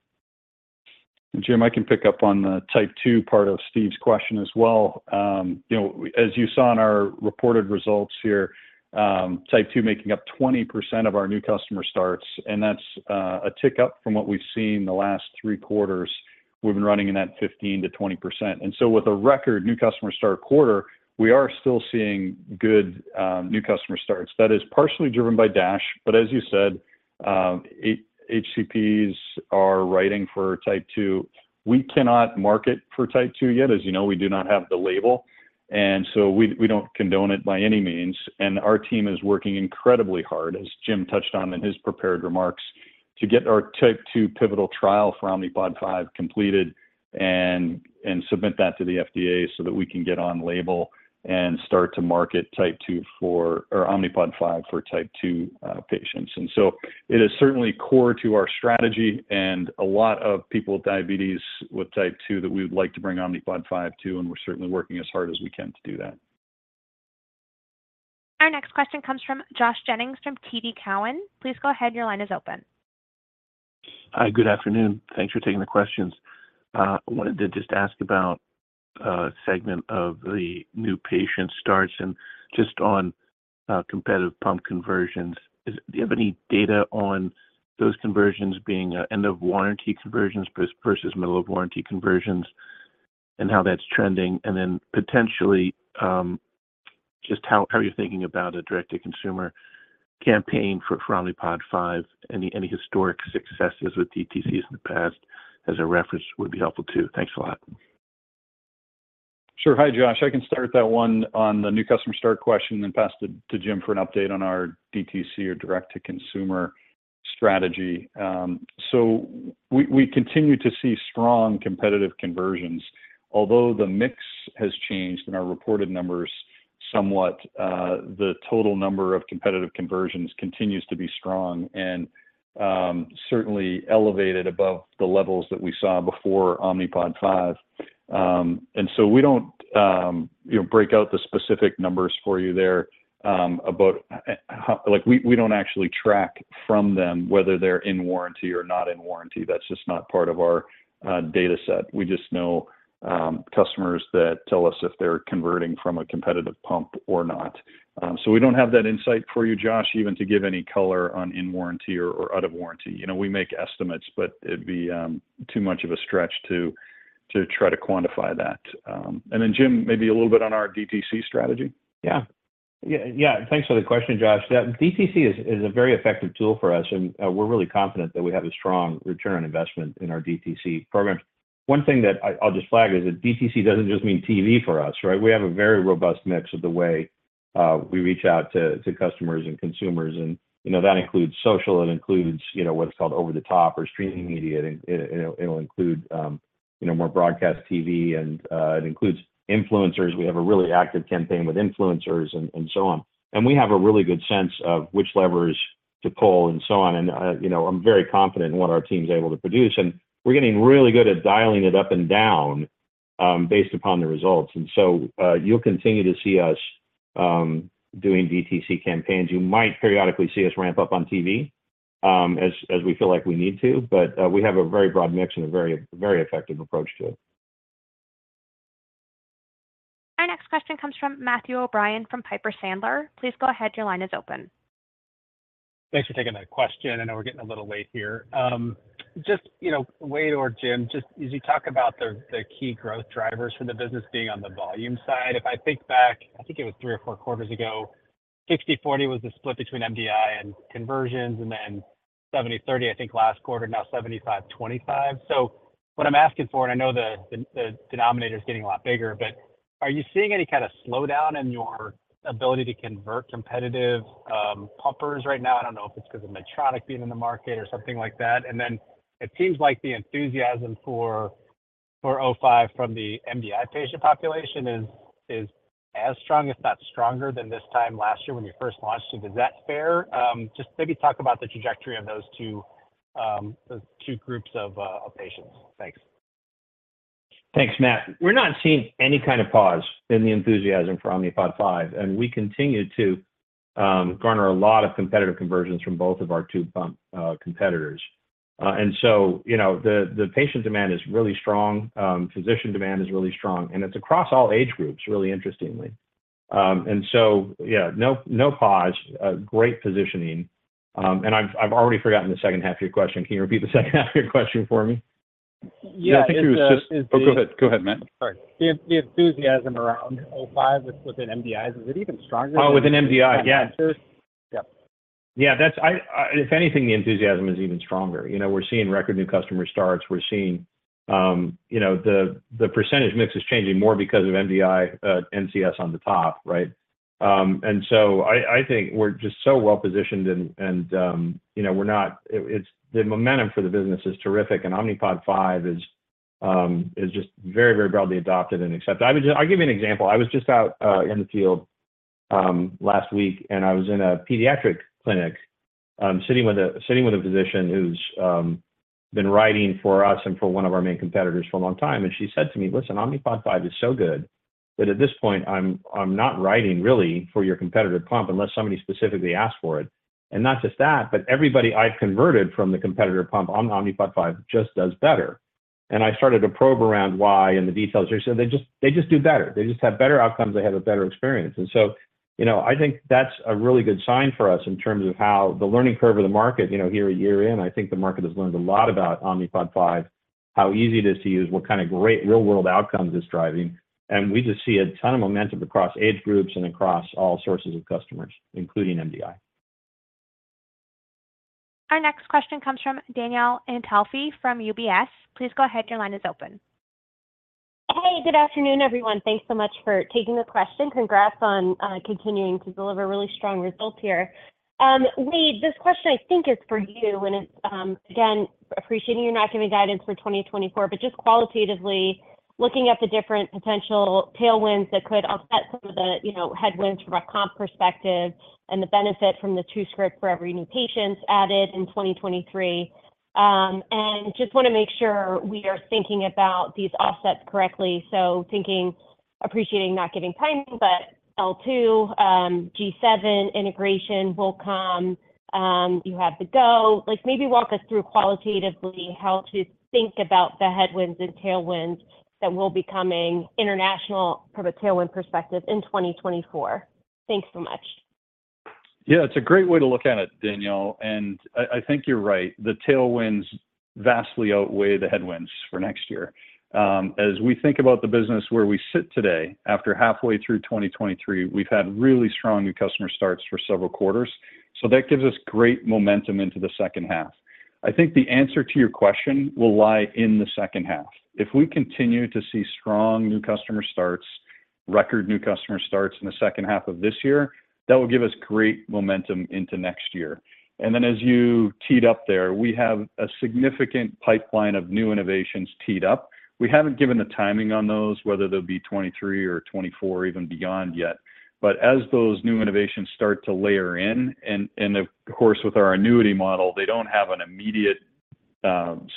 Jim, I can pick up on the type 2 part of Steve's question as well. You know, as you saw in our reported results here, type 2 making up 20% of our new customer starts, and that's a tick up from what we've seen the last three quarters. We've been running in that 15%-20%. With a record new customer start quarter, we are still seeing good new customer starts. That is partially driven by DASH, but as you said, HCPs are writing for type 2. We cannot market for type 2 yet. As you know, we do not have the label, and so we, we don't condone it by any means. Our team is working incredibly hard, as Jim touched on in his prepared remarks, to get our type two pivotal trial for Omnipod 5 completed and submit that to the FDA so that we can get on label and start to market type two for Omnipod 5 for type two patients. It is certainly core to our strategy and a lot of people with diabetes, with type two, that we would like to bring Omnipod 5 to. We're certainly working as hard as we can to do that. Our next question comes from Josh Jennings from TD Cowen. Please go ahead. Your line is open. Hi, good afternoon. Thanks for taking the questions. I wanted to just ask about a segment of the new patient starts and just on competitive pump conversions. Do you have any data on those conversions being end-of-warranty conversions versus middle-of-warranty conversions and how that's trending? Then potentially, just how, how you're thinking about a direct-to-consumer campaign for Omnipod 5. Any historic successes with DTCs in the past as a reference would be helpful too. Thanks a lot. Sure. Hi, Josh. I can start that one on the new customer start question and then pass it to Jim for an update on our DTC or direct-to-consumer strategy. We, we continue to see strong competitive conversions. Although the mix has changed in our reported numbers somewhat, the total number of competitive conversions continues to be strong and, certainly elevated above the levels that we saw before Omnipod 5. We don't, you know, break out the specific numbers for you there. We, we don't actually track from them whether they're in warranty or not in warranty. That's just not part of our data set. We just know, customers that tell us if they're converting from a competitive pump or not. We don't have that insight for you, Josh, even to give any color on in warranty or, or out of warranty. You know, we make estimates, but it'd be too much of a stretch to, to try to quantify that. Then Jim, maybe a little bit on our DTC strategy. Yeah. Yeah, yeah, thanks for the question, Josh. Yeah, DTC is a, is a very effective tool for us, and we're really confident that we have a strong return on investment in our DTC programs. One thing that I, I'll just flag is that DTC doesn't just mean TV for us, right? We have a very robust mix of the way we reach out to, to customers and consumers, and, you know, that includes social, it includes, you know, what's called over-the-top or streaming media. It, it, it'll include, you know, more broadcast TV, and it includes influencers. We have a really active campaign with influencers and, and so on. We have a really good sense of which levers to pull and so on. You know, I'm very confident in what our team's able to produce, and we're getting really good at dialing it up and down, based upon the results. You'll continue to see us doing DTC campaigns. You might periodically see us ramp up on TV, as, as we feel like we need to. We have a very broad mix and a very, very effective approach to it. Our next question comes from Matthew O'Brien from Piper Sandler. Please go ahead. Your line is open. Thanks for taking that question. I know we're getting a little late here. Just, you know, Wayde or Jim, just as you talk about the, the key growth drivers for the business being on the volume side, if I think back, I think it was three or four quarters ago, 60/40 was the split between MDI and conversions, and then 70/30, I think last quarter, now 75/25. What I'm asking for, and I know the, the, the denominator is getting a lot bigger, but are you seeing any kind of slowdown in your ability to convert competitive, pumpers right now? I don't know if it's because of Medtronic being in the market or something like that. Then it seems like the enthusiasm for o-five from the MDI patient population is as strong, if not stronger, than this time last year when you first launched it. Is that fair? Just maybe talk about the trajectory of those two, those two groups of patients. Thanks. Thanks, Matt. We're not seeing any kind of pause in the enthusiasm for Omnipod 5, we continue to garner a lot of competitive conversions from both of our two pump competitors. You know, the patient demand is really strong, physician demand is really strong. It's across all age groups, really interestingly. Yeah, no, no pause, a great positioning. I've, I've already forgotten the second half of your question. Can you repeat the second half of your question for me? Yeah. I think it was just- It's the- Oh, go ahead. Go ahead, Matt. Sorry. The, the enthusiasm around O-five within MDIs, is it even stronger? Oh, within MDI? Yeah. Yep. Yeah, that's I. If anything, the enthusiasm is even stronger. You know, we're seeing record new customer starts. We're seeing, you know, the, the percentage mix is changing more because of MDI, NCS on the top, right? So I, I think we're just so well positioned, and, and, you know, we're not. It's the momentum for the business is terrific, and Omnipod 5 is just very, very broadly adopted and accepted. I was just. I'll give you an example. I was just out in the field last week, and I was in a pediatric clinic, sitting with a physician who's been writing for us and for one of our main competitors for a long time, and she said to me: "Listen, Omnipod 5 is so good that at this point I'm not writing really for your competitor pump unless somebody specifically asks for it. Not just that, but everybody I've converted from the competitor pump on Omnipod 5 just does better." I started to probe around why and the details. She said, "They just do better. They just have better outcomes. They have a better experience. So, you know, I think that's a really good sign for us in terms of how the learning curve of the market, you know, here a year in, I think the market has learned a lot about Omnipod 5, how easy it is to use, what kind of great real-world outcomes it's driving. We just see a ton of momentum across age groups and across all sources of customers, including MDI. Our next question comes from Danielle Antalffy from UBS. Please go ahead. Your line is open. Hey, good afternoon, everyone. Thanks so much for taking the question. Congrats on continuing to deliver really strong results here. Wayde, this question I think is for you, and it's again, appreciating you're not giving guidance for 2024, but just qualitatively looking at the different potential tailwinds that could offset some of the, you know, headwinds from a comp perspective and the benefit from the two script for every new patients added in 2023. And just want to make sure we are thinking about these offsets correctly. Appreciating, not giving timing, but L2, G7 integration will come. You have the go. Like, maybe walk us through qualitatively how to think about the headwinds and tailwinds that will be coming international, from a tailwind perspective, in 2024. Thanks so much. Yeah, it's a great way to look at it, Danielle, I, I think you're right. The tailwinds vastly outweigh the headwinds for next year. As we think about the business where we sit today, after halfway through 2023, we've had really strong new customer starts for several quarters, so that gives us great momentum into the second half. I think the answer to your question will lie in the second half. If we continue to see strong new customer starts, record new customer starts in the second half of this year, that will give us great momentum into next year. Then, as you teed up there, we have a significant pipeline of new innovations teed up. We haven't given the timing on those, whether they'll be 2023 or 2024 or even beyond yet. As those new innovations start to layer in, and, and of course, with our annuity model, they don't have an immediate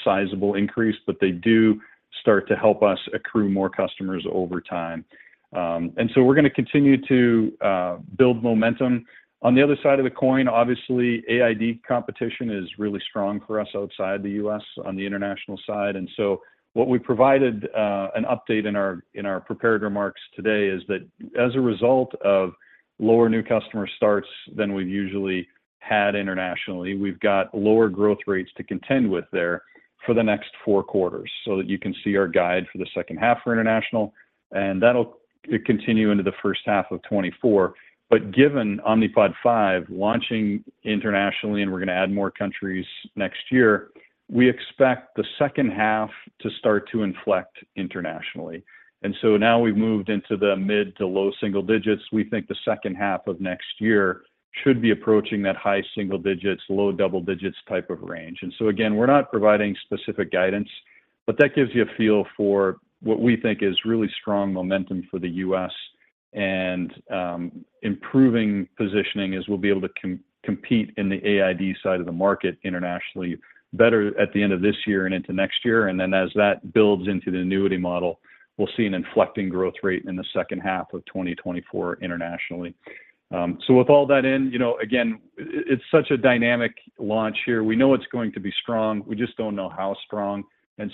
sizable increase, but they do start to help us accrue more customers over time. We're gonna continue to build momentum. On the other side of the coin, obviously, AID competition is really strong for us outside the US on the international side. What we provided an update in our, in our prepared remarks today is that as a result of lower new customer starts than we've usually had internationally, we've got lower growth rates to contend with there for the next four quarters. You can see our guide for the second half for international, and that'll continue into the first half of 2024. Given Omnipod 5 launching internationally, and we're gonna add more countries next year, we expect the second half to start to inflect internationally. Now we've moved into the mid to low single digits. We think the second half of next year should be approaching that high single digits, low double digits type of range. Again, we're not providing specific guidance, but that gives you a feel for what we think is really strong momentum for the US and improving positioning as we'll be able to compete in the AID side of the market internationally, better at the end of this year and into next year. As that builds into the annuity model, we'll see an inflecting growth rate in the second half of 2024 internationally. With all that in, you know, again, it, it's such a dynamic launch here. We know it's going to be strong. We just don't know how strong.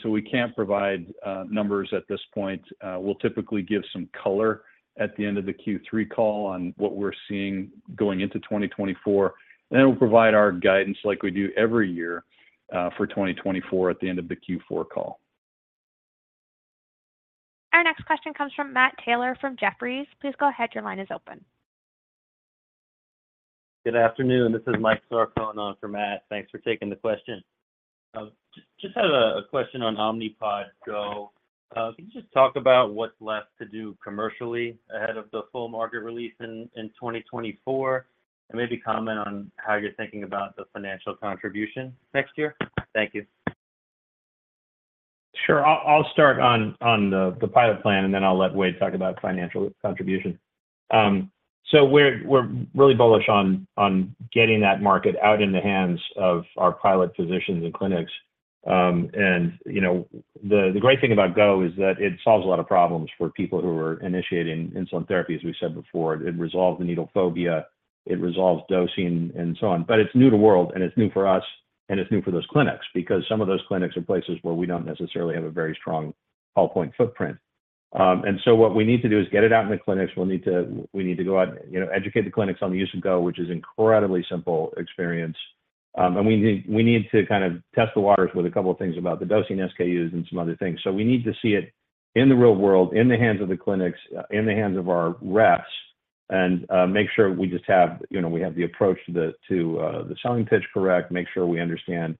We can't provide numbers at this point. We'll typically give some color at the end of the Q3 call on what we're seeing going into 2024. We'll provide our guidance like we do every year for 2024 at the end of the Q4 call. Our next question comes from Matt Taylor from Jefferies. Please go ahead. Your line is open. Good afternoon. This is Mike Staro calling on for Matt. Thanks for taking the question. just, just have a question on Omnipod Go. Can you just talk about what's left to do commercially ahead of the full market release in 2024? Maybe comment on how you're thinking about the financial contribution next year. Thank you. Sure. I'll, I'll start on, on the, the pilot plan, then I'll let Wade talk about financial contribution. We're, we're really bullish on, on getting that market out in the hands of our pilot physicians and clinics. You know, the, the great thing about GO is that it solves a lot of problems for people who are initiating insulin therapy. As we said before, it resolves the needle phobia, it resolves dosing, and so on. It's new to world, and it's new for us, and it's new for those clinics because some of those clinics are places where we don't necessarily have a very strong call point footprint. What we need to do is get it out in the clinics. We need to go out, you know, educate the clinics on the use of Go, which is incredibly simple experience. We need to kind of test the waters with a couple of things about the dosing SKUs and some other things. We need to see it in the real world, in the hands of the clinics, in the hands of our reps, and make sure we just have, you know, we have the approach to the selling pitch correct, make sure we understand-...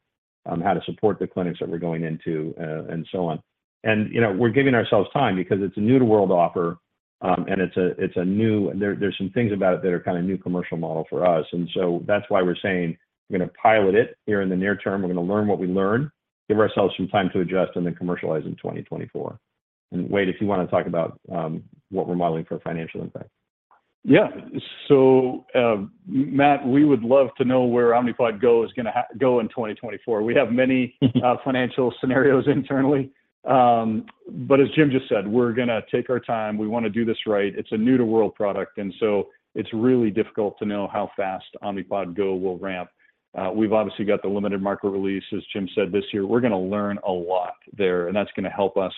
on how to support the clinics that we're going into, and so on. You know, we're giving ourselves time because it's a new to world offer, and it's a, it's a new-- there, there's some things about it that are kind of new commercial model for us. So that's why we're saying we're gonna pilot it here in the near term. We're gonna learn what we learn, give ourselves some time to adjust, and then commercialize in 2024. Wayde, if you wanna talk about what we're modeling for a financial impact. Yeah. Matt, we would love to know where Omnipod Go is gonna go in 2024. We have financial scenarios internally. As Jim just said, we're gonna take our time. We wanna do this right. It's a new to world product, and so it's really difficult to know how fast Omnipod Go will ramp. We've obviously got the limited market release, as Jim said this year. We're gonna learn a lot there, and that's gonna help us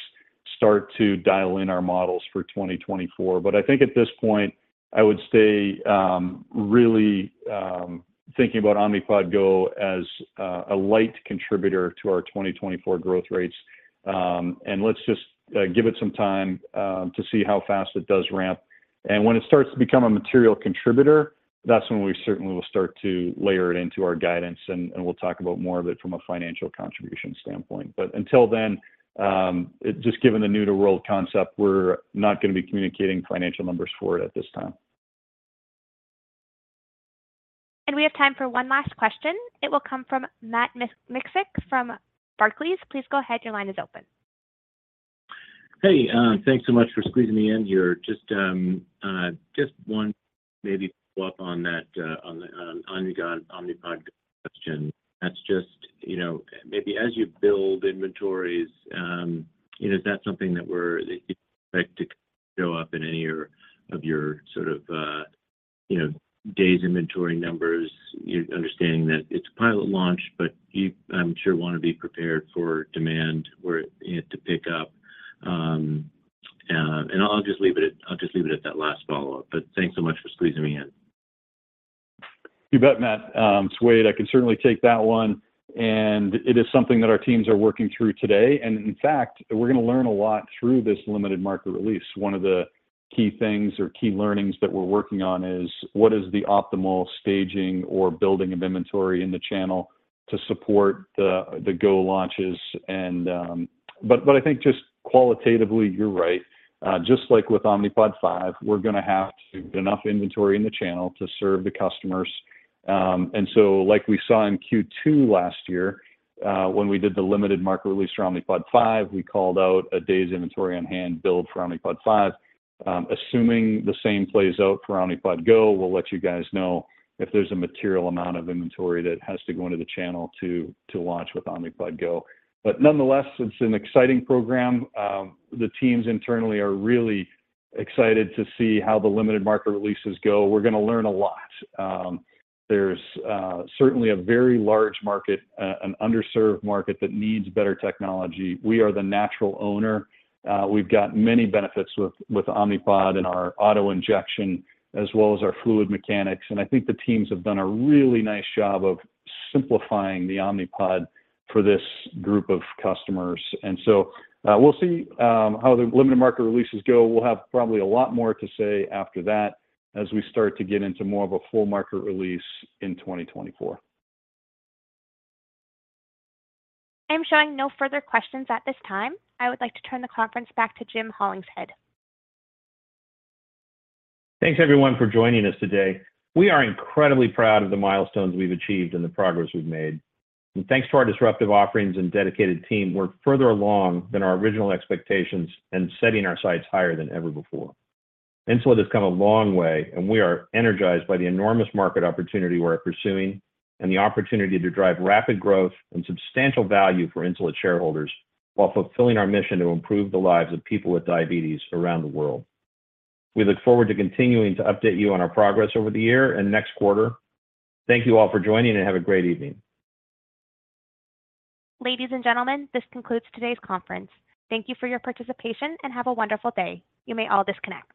start to dial in our models for 2024. I think at this point, I would say, really, thinking about Omnipod Go as a light contributor to our 2024 growth rates. Let's just give it some time to see how fast it does ramp. When it starts to become a material contributor, that's when we certainly will start to layer it into our guidance, and we'll talk about more of it from a financial contribution standpoint. Until then, just given the new to world concept, we're not gonna be communicating financial numbers for it at this time. We have time for one last question. It will come from Matt Miksic from Barclays. Please go ahead. Your line is open. Hey, thanks so much for squeezing me in here. Just, just one maybe follow-up on that, on Omnipod, Omnipod question. That's just, you know, maybe as you build inventories, you know, is that something that we're that you expect to show up in any of your, of your sort of, you know, days inventory numbers? You're understanding that it's a pilot launch, but you, I'm sure, wanna be prepared for demand, where, you know, to pick up. I'll just leave it at, I'll just leave it at that last follow-up, but thanks so much for squeezing me in. You bet, Matt. Wayde, I can certainly take that one, and it is something that our teams are working through today. In fact, we're gonna learn a lot through this limited market release. One of the key things or key learnings that we're working on is: what is the optimal staging or building of inventory in the channel to support the GO launches? But I think just qualitatively, you're right. Just like with Omnipod 5, we're gonna have to get enough inventory in the channel to serve the customers. Like we saw in Q2 last year, when we did the limited market release for Omnipod 5, we called out a day's inventory on hand build for Omnipod 5. Assuming the same plays out for Omnipod Go, we'll let you guys know if there's a material amount of inventory that has to go into the channel to, to launch with Omnipod Go. Nonetheless, it's an exciting program. The teams internally are really excited to see how the limited market releases go. We're gonna learn a lot. There's certainly a very large market, an underserved market that needs better technology. We are the natural owner. We've got many benefits with, with Omnipod and our auto injection, as well as our fluid mechanics, and I think the teams have done a really nice job of simplifying the Omnipod for this group of customers. We'll see how the limited market releases go. We'll have probably a lot more to say after that as we start to get into more of a full market release in 2024. I'm showing no further questions at this time. I would like to turn the conference back to Jim Hollingshead. Thanks, everyone, for joining us today. We are incredibly proud of the milestones we've achieved and the progress we've made. Thanks to our disruptive offerings and dedicated team, we're further along than our original expectations and setting our sights higher than ever before. Insulet has come a long way, and we are energized by the enormous market opportunity we're pursuing and the opportunity to drive rapid growth and substantial value for Insulet shareholders while fulfilling our mission to improve the lives of people with diabetes around the world. We look forward to continuing to update you on our progress over the year and next quarter. Thank you all for joining, and have a great evening. Ladies and gentlemen, this concludes today's conference. Thank you for your participation, and have a wonderful day. You may all disconnect.